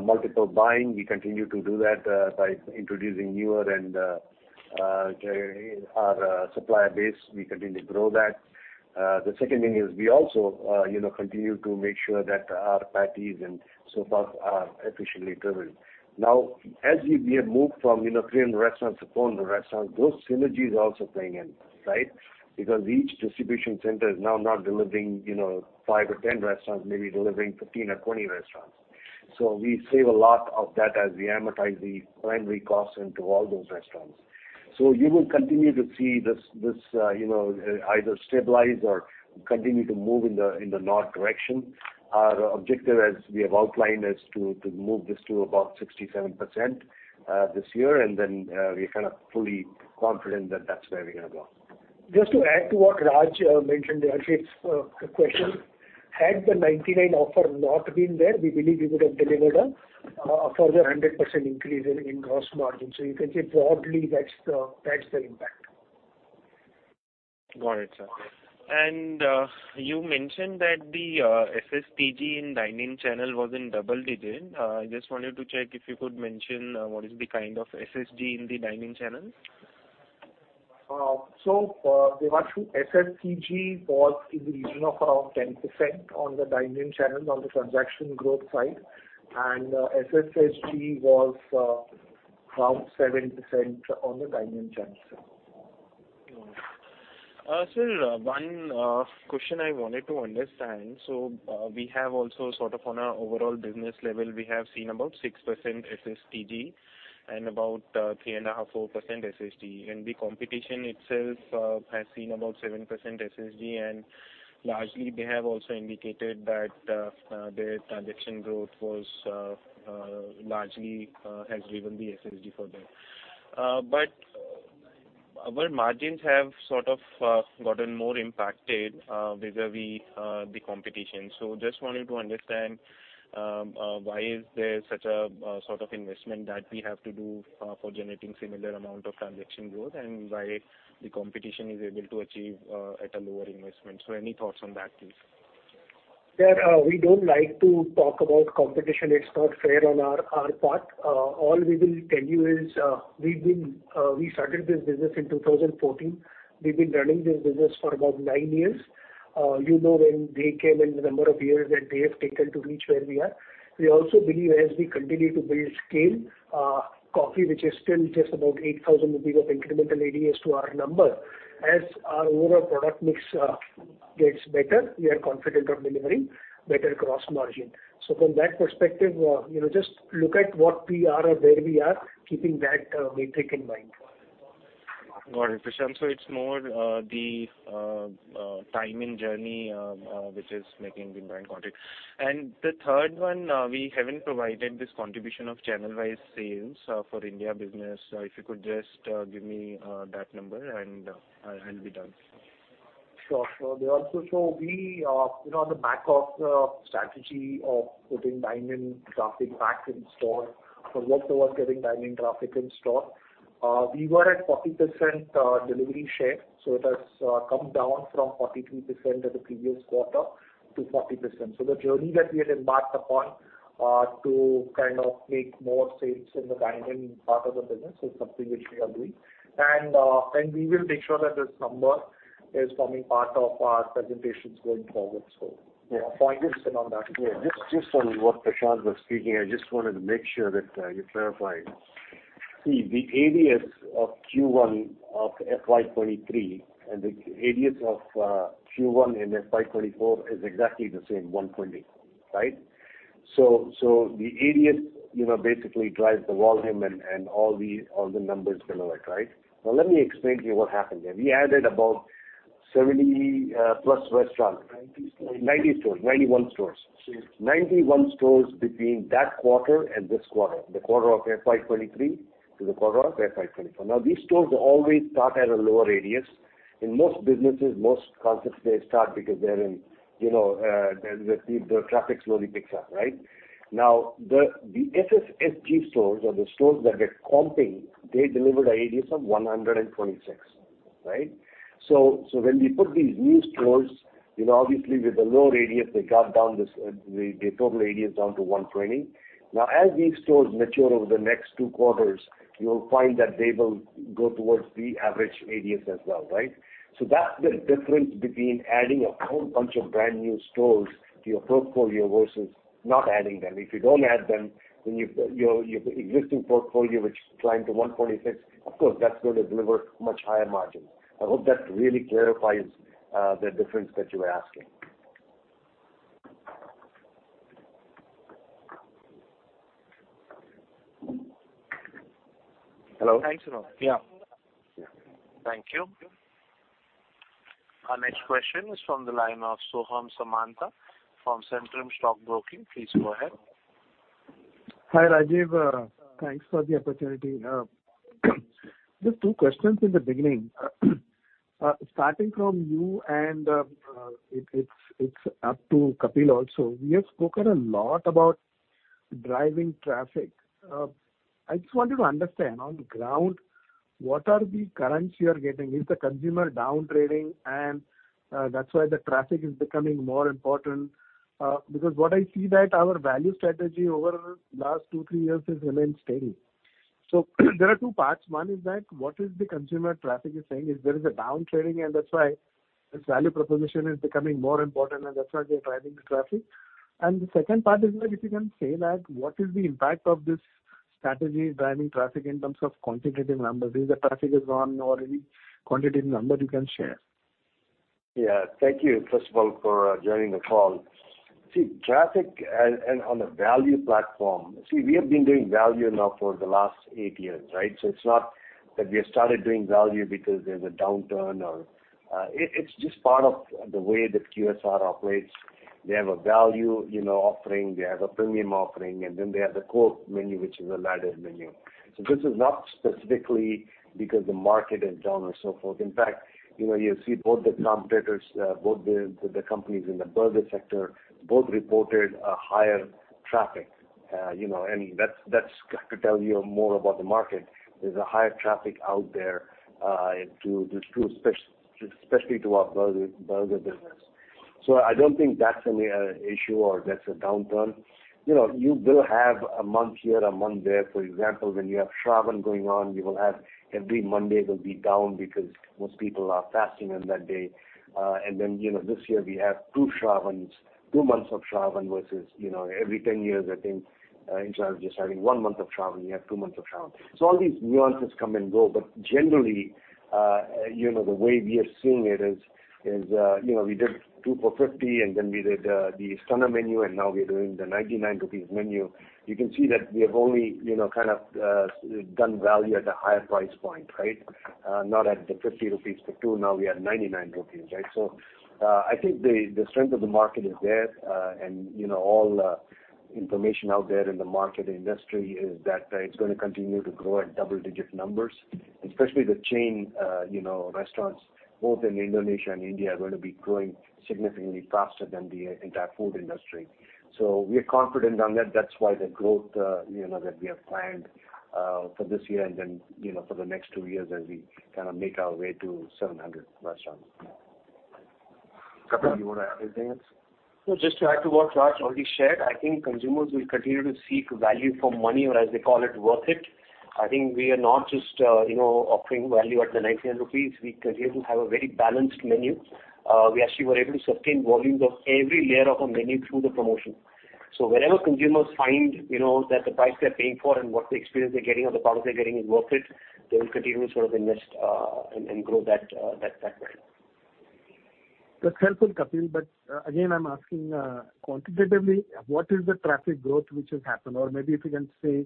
Multiple buying, we continue to do that, by introducing newer and, our, supplier base, we continue to grow that. The second thing is we also, you know, continue to make sure that our patties and so forth are efficiently delivered. Now, as we, we have moved from, you know, 300 restaurants to 400 restaurants, those synergies are also playing in, right? Because each distribution center is now not delivering, you know, five or 10 restaurants, maybe delivering 15 or 20 restaurants. So we save a lot of that as we amortize the primary costs into all those restaurants. You will continue to see this, this, you know, either stabilize or continue to move in the, in the north direction. Our objective, as we have outlined, is to, to move this to about 67% this year, and then we're kind of fully confident that that's where we're gonna go. Just to add to what Raj mentioned earlier, it's question: Had the 99 offer not been there, we believe we would have delivered a further 100% increase in, in gross margin. You can say broadly, that's the, that's the impact. Got it, sir. You mentioned that the, SSSG in dine-in channel was in double digits. I just wanted to check if you could mention, what is the kind of SSG in the dine-in channel? Devanshu, SSSS was in the region of around 10% on the dine-in channel, on the transaction growth side, and SSSG was around 7% on the dine-in channel, sir. Sir, one question I wanted to understand. We have also sort of on our overall business level, we have seen about 6% SSSG and about 3.5%-4% SSG, and the competition itself has seen about 7% SSG, and largely, they have also indicated that their transaction growth was largely has driven the SSG for them. Our margins have sort of gotten more impacted vis-a-vis the competition. Just wanted to understand why is there such a sort of investment that we have to do for generating similar amount of transaction growth, and why the competition is able to achieve at a lower investment? Any thoughts on that, please? Yeah, we don't like to talk about competition. It's not fair on our, our part. All we will tell you is, we started this business in 2014. We've been running this business for about nine years. You know, when they came in, the number of years that they have taken to reach where we are. We also believe as we continue to build scale, coffee, which is still just about 8,000 rupees of incremental ADAS to our number, as our overall product mix gets better, we are confident of delivering better gross margin. From that perspective, you know, just look at what we are or where we are, keeping that metric in mind. Got it, Prashant. It's more, the timing journey, which is making the brand content. The third one, we haven't provided this contribution of channel-wise sales for India business. If you could just give me that number, I'll be done. Sure. Devanshu, so we, you know, on the back of the strategy of putting dine-in traffic back in store, for work towards getting dine-in traffic in store, we were at 40% delivery share, so it has come down from 43% in the previous quarter to 40%. The journey that we had embarked upon to kind of make more sales in the dine-in part of the business is something which we are doing. And we will make sure that this number is forming part of our presentations going forward. Yeah, a pointed stand on that as well. Yeah, just, just on what Prashant was speaking, I just wanted to make sure that you clarify. See, the ADFs of Q1 of FY 2023 and the ADFs of Q1 in FY 2024 is exactly the same, 1.8, right? The ADF, you know, basically drives the volume and all the numbers kind of like, right? Let me explain to you what happened there. We added about 70 plus restaurants. 90 stores. 90 stores. 91 stores. Yes. 91 stores between that quarter and this quarter, the quarter of FY 2023 to the quarter of FY 2024. Now, these stores always start at a lower radius. In most businesses, most concepts, they start because they're in, you know, the, the, the traffic slowly picks up, right? Now, the, the SSSG stores or the stores that get comping, they deliver the ADF of 126, right? When we put these new stores, you know, obviously, with the low radius, they got down this, the, the total ADF down to 120. Now, as these stores mature over the next two quarters, you'll find that they will go towards the average ADF as well, right? So that's the difference between adding a whole bunch of brand-new stores to your portfolio versus not adding them. If you don't add them, then your, your, your existing portfolio, which is climbed to 146, of course, that's going to deliver much higher margins. I hope that really clarifies the difference that you were asking. Hello? Thanks, Rajeev. Yeah. Thank you. Our next question is from the line of Soham Samanta from Centrum Stock broking. Please go ahead. Hi, Rajeev. Thanks for the opportunity. Just two questions in the beginning. Starting from you and, it, it's, it's up to Kapil also. We have spoken a lot about driving traffic. I just wanted to understand, on the ground, what are the currents you are getting? Is the consumer downtrading, and that's why the traffic is becoming more important? Because what I see that our value strategy over the last two, three years has remained steady. There are two parts. One is that, what is the consumer traffic is saying? Is there is a downtrading, and that's why this value proposition is becoming more important, and that's why they're driving the traffic? The second part is that if you can say that, what is the impact of this strategy driving traffic in terms of quantitative numbers? Is the traffic is on or any quantitative number you can share? Yeah, thank you, first of all, for joining the call. Traffic and on the value platform. See, we have been doing value now for the last 8 years, right? It's not that we have started doing value because there's a downturn or. It, it's just part of the way that QSR operates. They have a value, you know, offering, they have a premium offering, and then they have the core menu, which is a ladder menu. This is not specifically because the market is down or so forth. In fact, you know, you'll see both the competitors, both the, the companies in the burger sector, both reported a higher traffic. You know, that's, that's got to tell you more about the market. There's a higher traffic out there, to, to especially to our burger, burger business. I don't think that's only a issue or that's a downturn. You know, you will have a month here, a month there, for example, when you have Shravan going on, you will have every Monday will be down because most people are fasting on that day. You know, this year we have two Shravans, two months of Shravan, versus, you know, every 10 years, I think, instead of just having one month of Shravan, you have two months of Shravan. All these nuances come and go. Generally, you know, the way we are seeing it is, is, you know, we did 2 for 50, and then we did the Stunner menu, and now we're doing the 99 rupees menu. You can see that we have only, you know, kind of, done value at a higher price point, right? Not at the 50 rupees for 2, now we are at 99 rupees, right? I think the, the strength of the market is there, and, you know, all, information out there in the market industry is that, it's going to continue to grow at double-digit numbers. Especially the chain, you dine-in restaurants, both in Indonesia and India, are going to be growing significantly faster than the entire food industry. We are confident on that. That's why the growth, you know, that we have planned, for this year and then, you know, for the next 2 years as we kind of make our way to 700 restaurants. Kapil, you want to add anything else? No, just to add to what Raj already shared, I think consumers will continue to seek value for money, or as they call it, worth it. I think we are not just, you know, offering value at 99 rupees. We continue to have a very balanced menu. We actually were able to sustain volumes of every layer of our menu through the promotion. Wherever consumers find, you know, that the price they're paying for and what the experience they're getting or the product they're getting is worth it, they will continue to sort of invest, and, and grow that, that, that value. That's helpful, Kapil. Again, I'm asking, quantitatively, what is the traffic growth which has happened? Maybe if you can say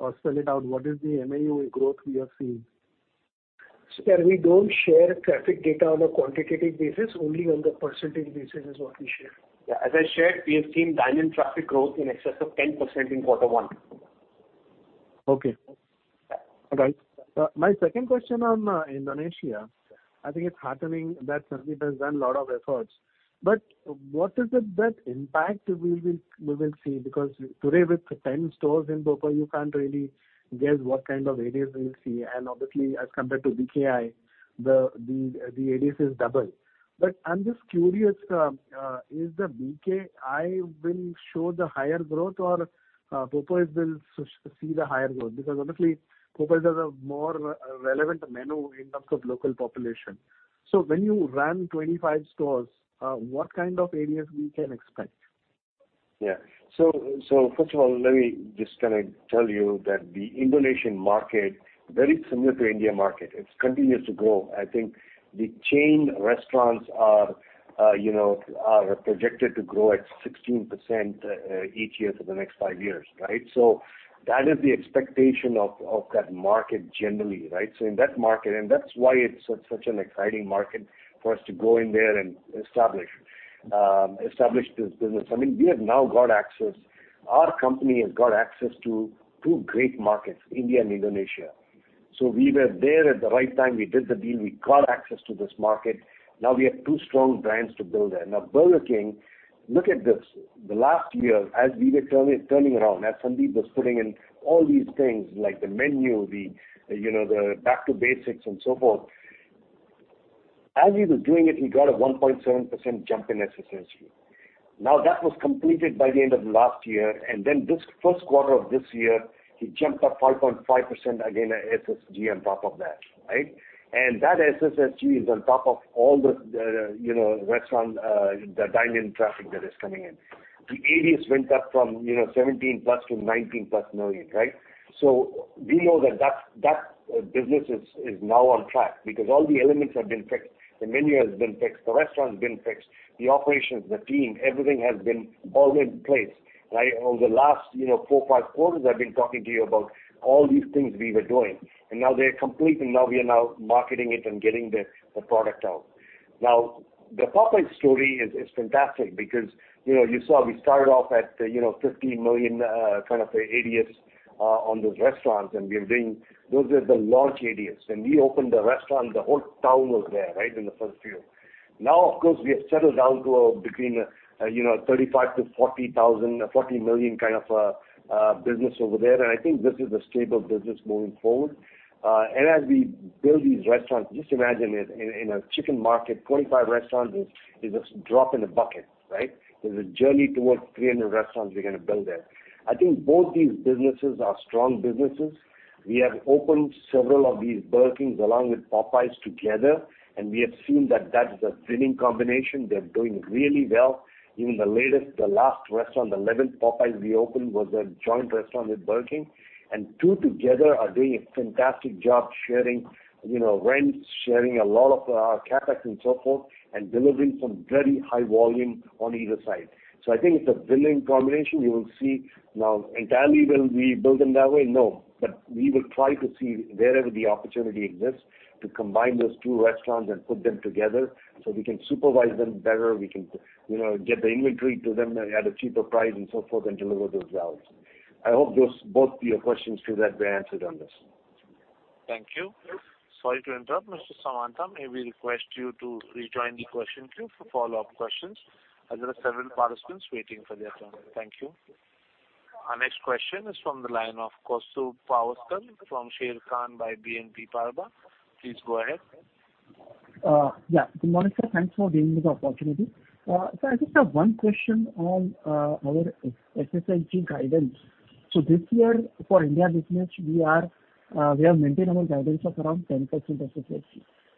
or spell it out, what is the MAU growth we have seen? Sir, we don't share traffic data on a quantitative basis, only on the % basis is what we share. Yeah, as I shared, we have seen dine-in traffic growth in excess of 10% in quarter one. Okay. All right. My second question on Indonesia. I think it's heartening that Sandeep has done a lot of efforts. What is the best impact we will, we will see? Today, with the 10 stores in Poco, you can't really guess what kind of areas we will see. Obviously, as compared to BKI, the, the, the areas is double. I'm just curious, is the BKI will show the higher growth or Poco is will see the higher growth? Honestly, Poco has a more relevant menu in terms of local population. When you run 25 stores, what kind of areas we can expect? Yeah. First of all, let me just kind of tell you that the Indonesian market, very similar to Indian market, it continues to grow. I think the chain restaurants are, you know, are projected to grow at 16% each year for the next five years, right? That is the expectation of, of that market generally, right? In that market, and that's why it's such an exciting market for us to go in there and establish, establish this business. I mean, we have now got access. Our company has got access to two great markets, India and Indonesia. We were there at the right time. We did the deal, we got access to this market. Now we have two strong brands to build there. Now, Burger King, look at this. The last year, as we were turning, turning around, as Sandeep was putting in all these things like the menu, the, you know, the back to basics and so forth. As he was doing it, he got a 1.7% jump in SSSG. Now, that was completed by the end of last year, then this first quarter of this year, he jumped up 5.5% again at SSG on top of that, right? That SSSG is on top of all the, the, you know, restaurant, the dine-in traffic that is coming in. The ADAS went up from, you know, 17+ to $19+ million, right? We know that that, that business is, is now on track because all the elements have been fixed. The menu has been fixed, the restaurant has been fixed, the operations, the team, everything has been all in place, right? Over the last, you know, four, five quarters, I've been talking to you about all these things we were doing. Now they're complete, and now we are now marketing it and getting the product out. The Popeyes story is fantastic because, you know, you saw we started off at, you know, 15 million kind of ADAS on those restaurants, and we are doing... Those are the launch ADAS. When we opened the restaurant, the whole town was there, right, in the first few....Of course, we have settled down to between, you know, 35 to 40 thousand, 40 million kind of business over there. I think this is a stable business moving forward. And as we build these restaurants, just imagine it in, in a chicken market, 25 restaurants is, is a drop in the bucket, right? There's a journey towards 300 restaurants we're gonna build there. I think both these businesses are strong businesses. We have opened several of these Burger Kings along with Popeyes together, and we have seen that, that's a winning combination. They're doing really well. Even the latest, the last restaurant, the 11th Popeyes we opened, was a joint restaurant with Burger King. Two together are doing a fantastic job sharing, you know, rents, sharing a lot of, CapEx and so forth, and delivering some very high volume on either side. I think it's a winning combination. Now, entirely, will we build them that way? No, we will try to see wherever the opportunity exists to combine those two restaurants and put them together so we can supervise them better, we can, you know, get the inventory to them at a cheaper price and so forth, and deliver those values. I hope those both your questions, too, that were answered on this. Thank you. Sorry to interrupt, Mr. Samanta. May we request you to rejoin the question queue for follow-up questions, as there are several participants waiting for their turn. Thank you. Our next question is from the line of Kaustubh Pawaskar from Sharekhan by BNP Paribas. Please go ahead. Yeah, good morning, sir. Thanks for giving me the opportunity. I just have one question on our SSAG guidance. This year, for India business, we are, we have maintainable guidance of around 10% SSAG.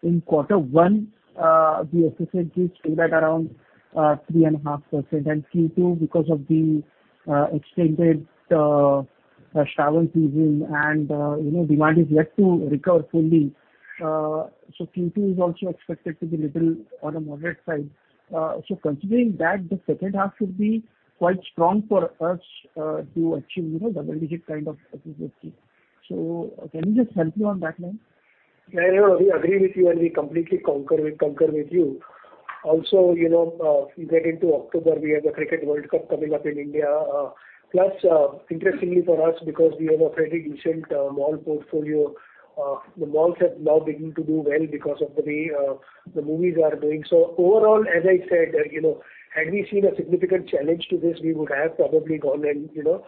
In quarter one, the SSAG stayed at around 3.5%, and Q2, because of the extended travel season and, you know, demand is yet to recover fully. Q2 is also expected to be little on a moderate side. Considering that, the second half should be quite strong for us to achieve, you know, double-digit kind of SSAG. Can you just help me on that line? Yeah, we agree with you, and we completely conquer with- conquer with you. Also, you know, we get into October, we have the Cricket World Cup coming up in India. Plus, interestingly for us, because we have a pretty decent mall portfolio, the malls have now begun to do well because of the way the movies are doing. Overall, as I said, you know, had we seen a significant challenge to this, we would have probably gone and, you know,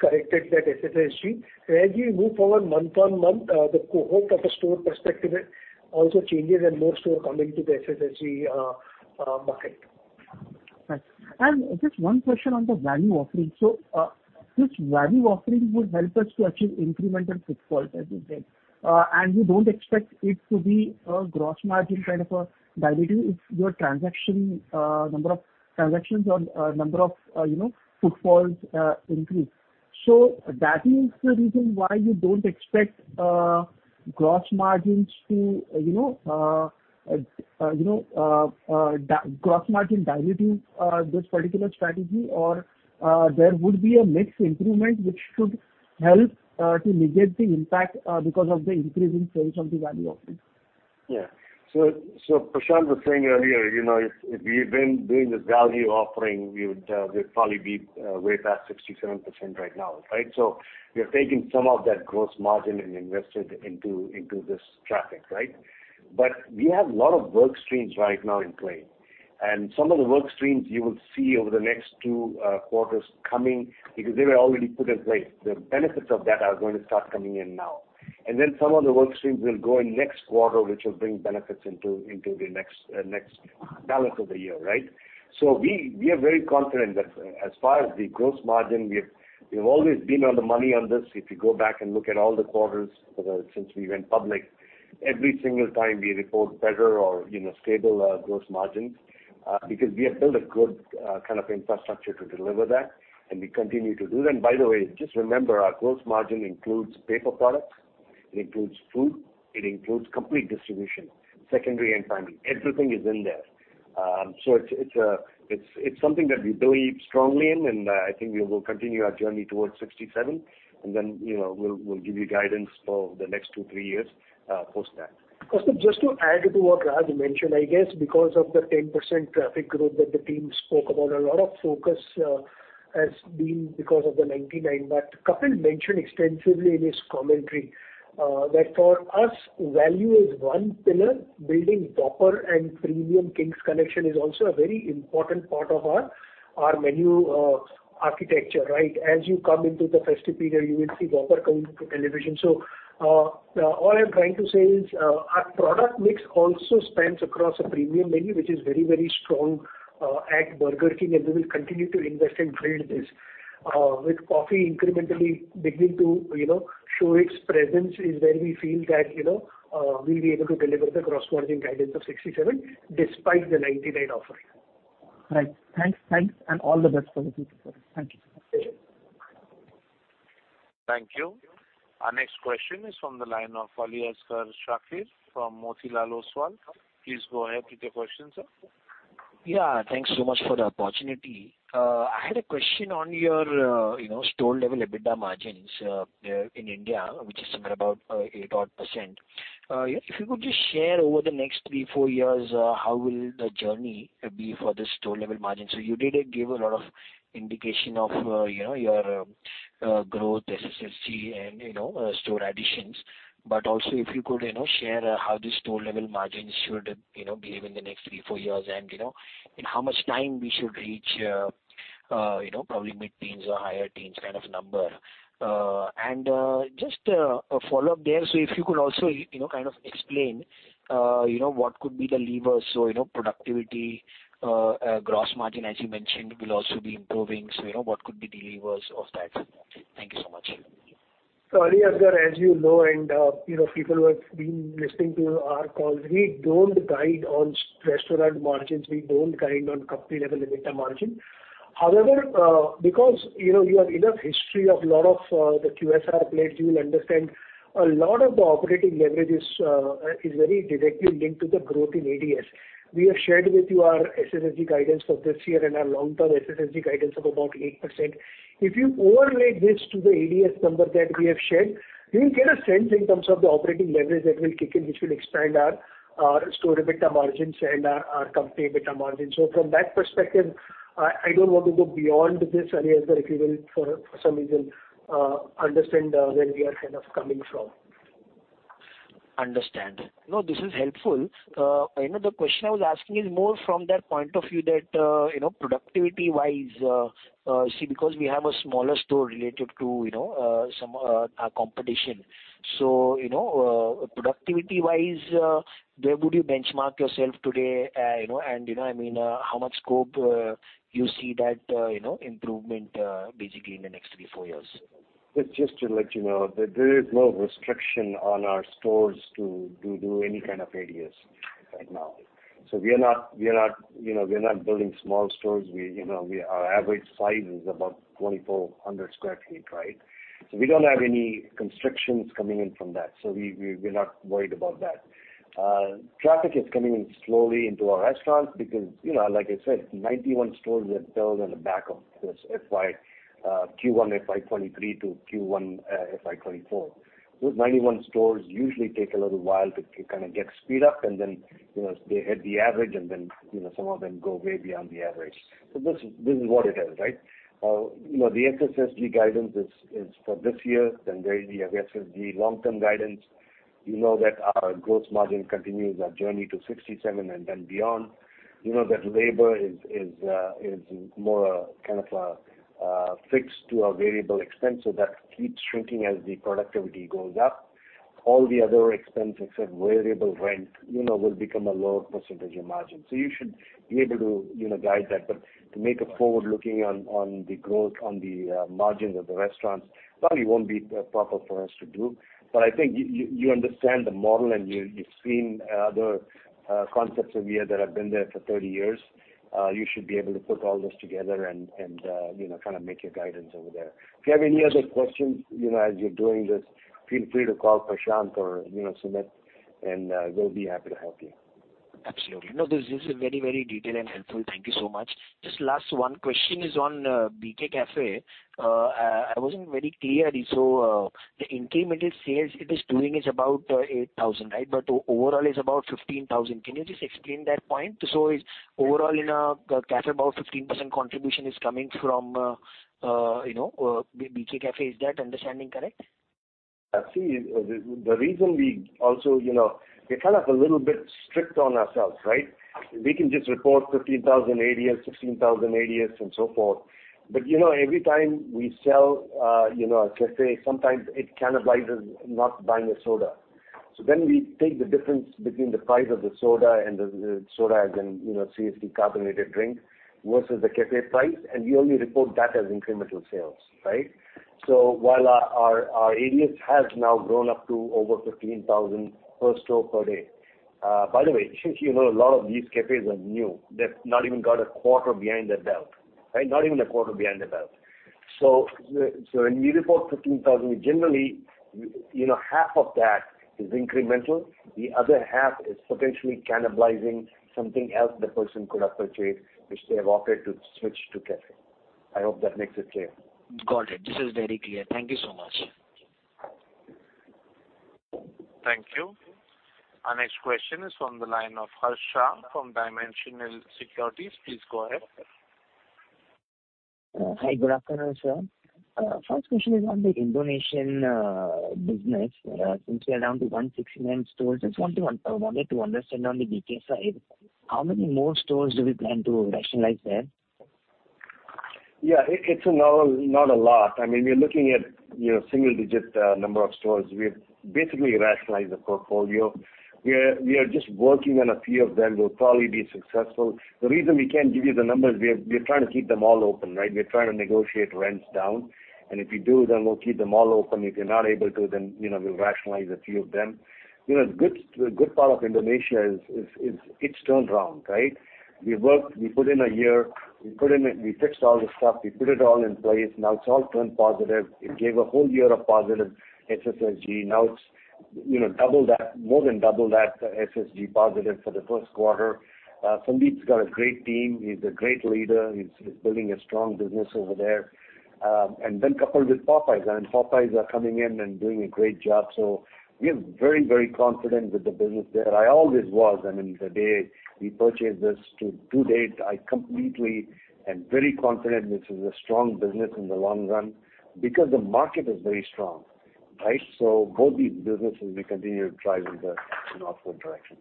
corrected that SSAG. As we move forward month-on-month, the cohort of a store perspective also changes and more store coming to the SSAG bucket. Right. Just one question on the value offering. This value offering would help us to achieve incremental footfall, as you said. You don't expect it to be a gross margin kind of a dilutive if your transaction, number of transactions or number of, you know, footfalls, increase. That is the reason why you don't expect gross margins to, you know, gross margin diluting, this particular strategy, or there would be a mix improvement which should help to mitigate the impact because of the increase in sales on the value offering? Prashant was saying earlier, you know, if, if we've been doing this value offering, we would, we'd probably be way past 67% right now, right? We are taking some of that gross margin and invested into, into this traffic, right? We have a lot of work streams right now in play, and some of the work streams you will see over the next two quarters coming, because they were already put in place. The benefits of that are going to start coming in now. Then some of the work streams will go in next quarter, which will bring benefits into, into the next balance of the year, right? We, we are very confident that as far as the gross margin, we've, we've always been on the money on this. If you go back and look at all the quarters, since we went public, every single time we report better or, you know, stable, gross margins, because we have built a good, kind of infrastructure to deliver that, and we continue to do that. By the way, just remember, our gross margin includes paper products, it includes food, it includes complete distribution, secondary and primary. Everything is in there. It's, it's, it's something that we believe strongly in, and I think we will continue our journey towards 67, and then, you know, we'll, we'll give you guidance for the next two, three years, post that. Kaustubh, just to add to what Raj mentioned, I guess because of the 10% traffic growth that the team spoke about, a lot of focus has been because of the 99. Kapil mentioned extensively in his commentary that for us, value is one pillar. Building Whopper and premium Kings Collection is also a very important part of our, our menu architecture, right? As you come into the festive period, you will see Whopper coming to television. All I'm trying to say is our product mix also spans across a premium menu, which is very, very strong at Burger King, and we will continue to invest and build this. With coffee incrementally beginning to, you know, show its presence is where we feel that, you know, we'll be able to deliver the gross margin guidance of 67%, despite the 99 offering. Right. Thanks, thanks, and all the best for the future. Thank you. Thank you. Our next question is from the line of Aliasgar Shakir from Motilal Oswal. Please go ahead with your question, sir. Yeah, thanks so much for the opportunity. I had a question on your, you know, store level EBITDA margins in India, which is somewhere about 8%. If you could just share over the next three to four years, how will the journey be for the store level margin? You did give a lot of indication of, you know, your growth, SSSC and, you know, store additions. Also, if you could, you know, share how the store level margins should, you know, behave in the next three to four years and, you know, in how much time we should reach, you know, probably mid-teens or higher teens kind of number. Just, a follow-up there. If you could also, you know, kind of explain, you know, what could be the levers so, you know, productivity, gross margin, as you mentioned, will also be improving. You know, what could be the levers of that? Thank you so much. Ali Asgar, as you know, and, you know, people who have been listening to our calls, we don't guide on restaurant margins. We don't guide on company level EBITDA margin. However, because, you know, you have enough history of a lot of the QSR plates, you will understand a lot of the operating leverages is very directly linked to the growth in ADS. We have shared with you our SSSG guidance for this year and our long-term SSSG guidance of about 8%. If you overweight this to the ADS number that we have shared, you will get a sense in terms of the operating leverage that will kick in, which will expand our, our store EBITDA margins and our, our company EBITDA margin. From that perspective, I, I don't want to go beyond this, Aliasgar, if you will, for, for some reason, understand, where we are kind of coming from. Understand. No, this is helpful. You know, the question I was asking is more from that point of view that, you know, productivity wise, see, because we have a smaller store related to, you know, some, our competition. You know, productivity wise, where would you benchmark yourself today? You know, and, you know, I mean, how much scope you see that, you know, improvement basically in the next three, four years? Just to let you know, that there is no restriction on our stores to do any kind of ADS right now. We are not, you know, we are not building small stores. We, you know, our average size is about 2,400 sq ft, right? We don't have any constrictions coming in from that. We're not worried about that. Traffic is coming in slowly into our restaurants, because, you know, like I said, 91 stores were built on the back of this FY, Q1 FY 2023 to Q1 FY 2024. Those 91 stores usually take a little while to kind of get speed up, and then, you know, they hit the average, and then, you know, some of them go way beyond the average. This is what it is, right? You know, the SSSG guidance is, is for this year, then we have SSSG long-term guidance. You know that our gross margin continues our journey to 67 and then beyond. You know that labor is, is more, kind of a, fixed to a variable expense, so that keeps shrinking as the productivity goes up. All the other expenses, except variable rent, you know, will become a lower percentage of margin. You should be able to, you know, guide that. To make a forward looking on, on the growth, on the margins of the restaurants, probably won't be proper for us to do. I think you, you, you understand the model, and you, you've seen the concepts of year that have been there for 30 years. You should be able to put all this together and, and, you know, kind of make your guidance over there. If you have any other questions, you know, as you're doing this, feel free to call Prashant or, you know, Sumit, and, they'll be happy to help you. Absolutely. No, this is very, very detailed and helpful. Thank you so much. Just last one question is on BK Cafe. I, I wasn't very clear. The incremental sales it is doing is about 8,000, right? But overall is about 15,000. Can you just explain that point? Is overall in a cafe, about 15% contribution is coming from, you know, BK Cafe? Is that understanding correct? I see. The, the reason we also... you know, we're kind of a little bit strict on ourselves, right? We can just report 15,000 ADS, 16,000 ADS, and so forth. Every time we sell, you know, a cafe, sometimes it cannibalizes not buying a soda. Then we take the difference between the price of the soda and the, the soda as in, you know, CFC carbonated drink, versus the cafe price, and we only report that as incremental sales, right? While our, our, our ADS has now grown up to over 15,000 per store per day. By the way, since you know, a lot of these cafes are new, they've not even got a quarter behind their belt, right? Not even a quarter behind their belt. So when we report 15,000, generally, you know, half of that is incremental, the other half is potentially cannibalizing something else the person could have purchased, which they have opted to switch to cafe. I hope that makes it clear. Got it. This is very clear. Thank you so much. Thank you. Our next question is on the line of Harsh from Dimensional Securities. Please go ahead. Hi, good afternoon, sir. First question is on the Indonesian business. Since we are down to 169 stores, I just want to I wanted to understand on the BK side, how many more stores do we plan to rationalize there? Yeah, it, it's a not, not a lot. I mean, we're looking at, you know, single-digit number of stores. We've basically rationalized the portfolio. We're, we are just working on a few of them, will probably be successful. The reason we can't give you the numbers, we are trying to keep them all open, right? We're trying to negotiate rents down, and if we do, then we'll keep them all open. If we're not able to, then, you know, we'll rationalize a few of them. You know, the good, the good part of Indonesia is, is, is it's turned around, right? We worked, we put in a year, we fixed all the stuff, we put it all in place. Now, it's all turned positive. It gave a whole year of positive SSSG. Now, it's, you know, double that, more than double that SSG positive for the first quarter. Sumit's got a great team. He's a great leader. He's, he's building a strong business over there. Coupled with Popeyes, and Popeyes are coming in and doing a great job. We are very, very confident with the business there. I always was. I mean, the day we purchased this to today, I completely am very confident this is a strong business in the long run, because the market is very strong. Right? Both these businesses, we continue driving that in upward direction.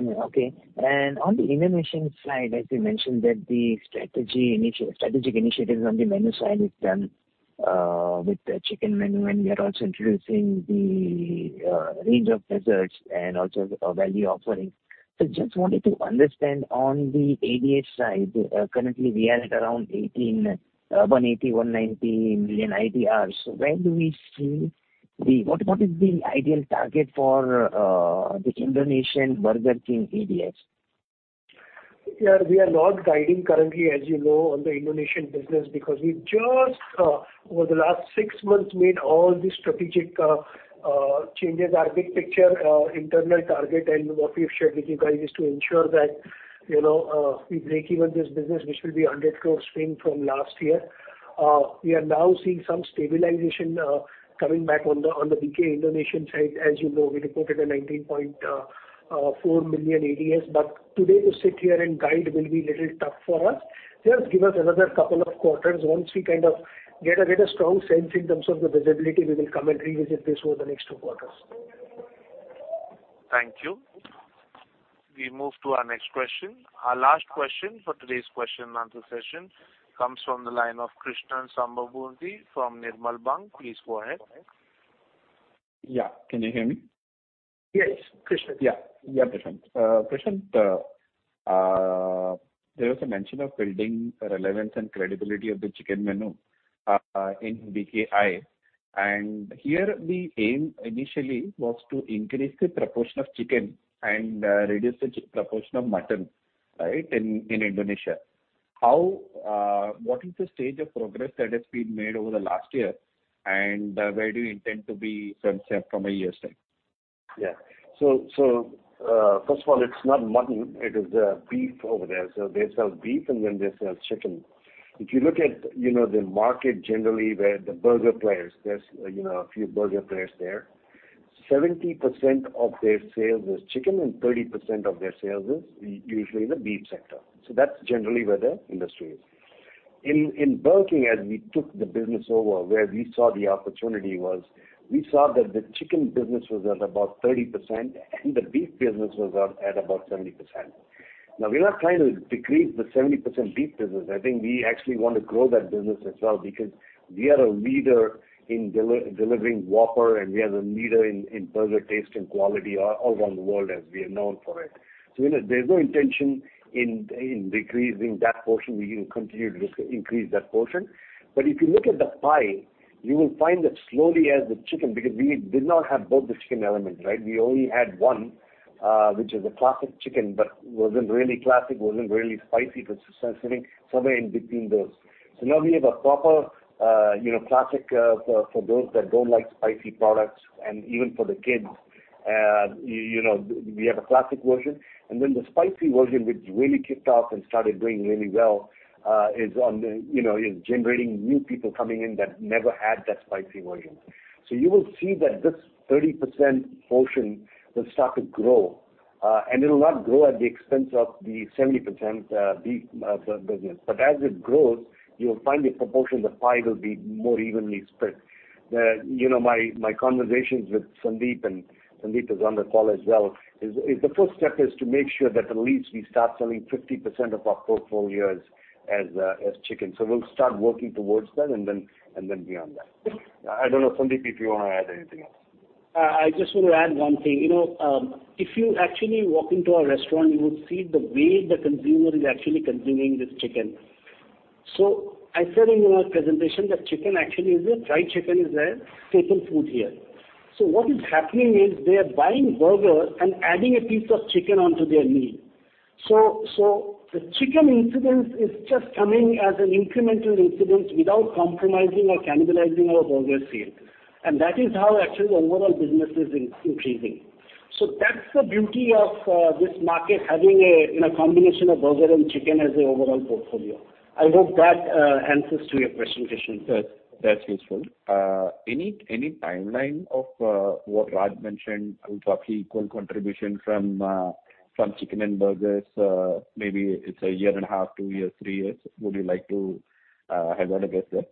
Yeah, okay. On the innovation side, as you mentioned, that the strategic initiatives on the menu side is done with the chicken menu, and we are also introducing the range of desserts and also a value offering. Just wanted to understand on the ADH side, currently we are at around 18 million, 180 million-190 million IDR. Where do we see What is the ideal target for the Indonesian Burger King ADH? Yeah, we are not guiding currently, as you know, on the Indonesian business, because we just over the last six months, made all the strategic changes. Our big picture internal target and what we've shared with you guys is to ensure that, you know, we break even this business, which will be 100 crore spend from last year. We are now seeing some stabilization coming back on the BK Indonesian side. As you know, we reported a 19.4 million ADS. Today, to sit here and guide will be a little tough for us. Just give us another couple of quarters. Once we kind of get a little strong sense in terms of the visibility, we will come and revisit this over the next two quarters. Thank you. We move to our next question. Our last question for today's question and answer session comes from the line of Krishnan Sambamoorthy from Nirmal Bang. Please go ahead. Yeah. Can you hear me? Yes, Krishnan. Yeah, yeah, Prashant. Prashant, there was a mention of building relevance and credibility of the chicken menu in BKI. Here, the aim initially was to increase the proportion of chicken and reduce the proportion of mutton, right, in, in Indonesia. What is the stage of progress that has been made over the last year, and where do you intend to be from a year's time? Yeah. First of all, it's not mutton, it is, beef over there. They sell beef and then they sell chicken. If you look at, you know, the market generally, where the burger players, there's, you know, a few burger players there, 70% of their sales is chicken and 30% of their sales is usually in the beef sector. That's generally where the industry is. In, in Burger King, as we took the business over, where we saw the opportunity was, we saw that the chicken business was at about 30% and the beef business was at, at about 70%. Now, we're not trying to decrease the 70% beef business. I think we actually want to grow that business as well, because we are a leader in delivering Whopper, and we are the leader in, in burger taste and quality all around the world, as we are known for it. There's no intention in, in decreasing that portion. We will continue to increase that portion. If you look at the pie, you will find that slowly, as the chicken-- Because we did not have both the chicken elements, right? We only had one, which is a classic chicken, but wasn't really classic, wasn't really spicy. It was sitting somewhere in between those. Now we have a proper, you know, classic, for, for those that don't like spicy products and even for the kids, you know, we have a classic version. Then the spicy version, which really kicked off and started doing really well, you know, is generating new people coming in that never had that spicy version. You will see that this 30% portion will start to grow, and it will not grow at the expense of the 70% beef business. As it grows, you'll find the proportion of the pie will be more evenly spread. You know, my, my conversations with Sandeep, and Sandeep is on the call as well, is, is the first step is to make sure that at least we start selling 50% of our portfolio as, as chicken. We'll start working towards that and then, and then beyond that. I don't know, Sandeep, if you want to add anything else. I just want to add one thing. You know, if you actually walk into our restaurant, you would see the way the consumer is actually consuming this chicken. I said in our presentation that fried chicken is a staple food here. What is happening is they are buying burgers and adding a piece of chicken onto their meal. The chicken incidence is just coming as an incremental incidence without compromising or cannibalizing our burger sale. That is how actually the overall business is increasing. That's the beauty of this market, having a, you know, combination of burger and chicken as an overall portfolio. I hope that answers to your question, Krishnan. Yes, that's useful. Any, any timeline of, what Raj mentioned about the equal contribution from, from chicken and burgers? Maybe it's a year and a half, two years, three years. Would you like to, have a guess there?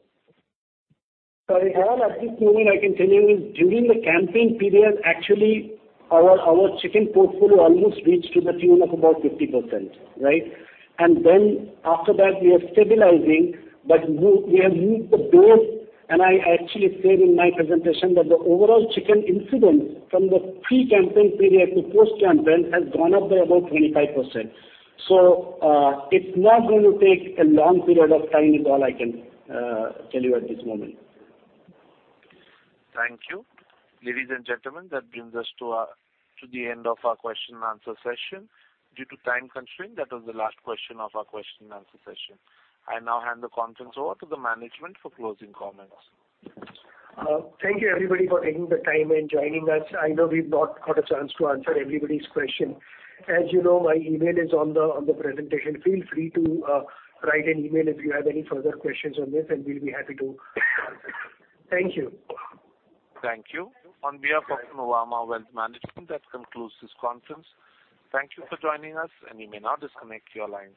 All at this moment, I can tell you is, during the campaign period, actually, our, our chicken portfolio almost reached to the tune of about 50%, right? Then after that, we are stabilizing, but we, we have moved the goal. I actually said in my presentation that the overall chicken incidence from the pre-campaign period to post-campaign has gone up by about 25%. It's not going to take a long period of time is all I can tell you at this moment. Thank you. Ladies and gentlemen, that brings us to to the end of our question-and-answer session. Due to time constraint, that was the last question of our question-and-answer session. I now hand the conference over to the management for closing comments. Thank you, everybody, for taking the time and joining us. I know we've not got a chance to answer everybody's question. As you know, my email is on the, on the presentation. Feel free to write an email if you have any further questions on this, and we'll be happy to answer. Thank you. Thank you. On behalf of Nuvama Wealth Management, that concludes this conference. Thank you for joining us, and you may now disconnect your lines.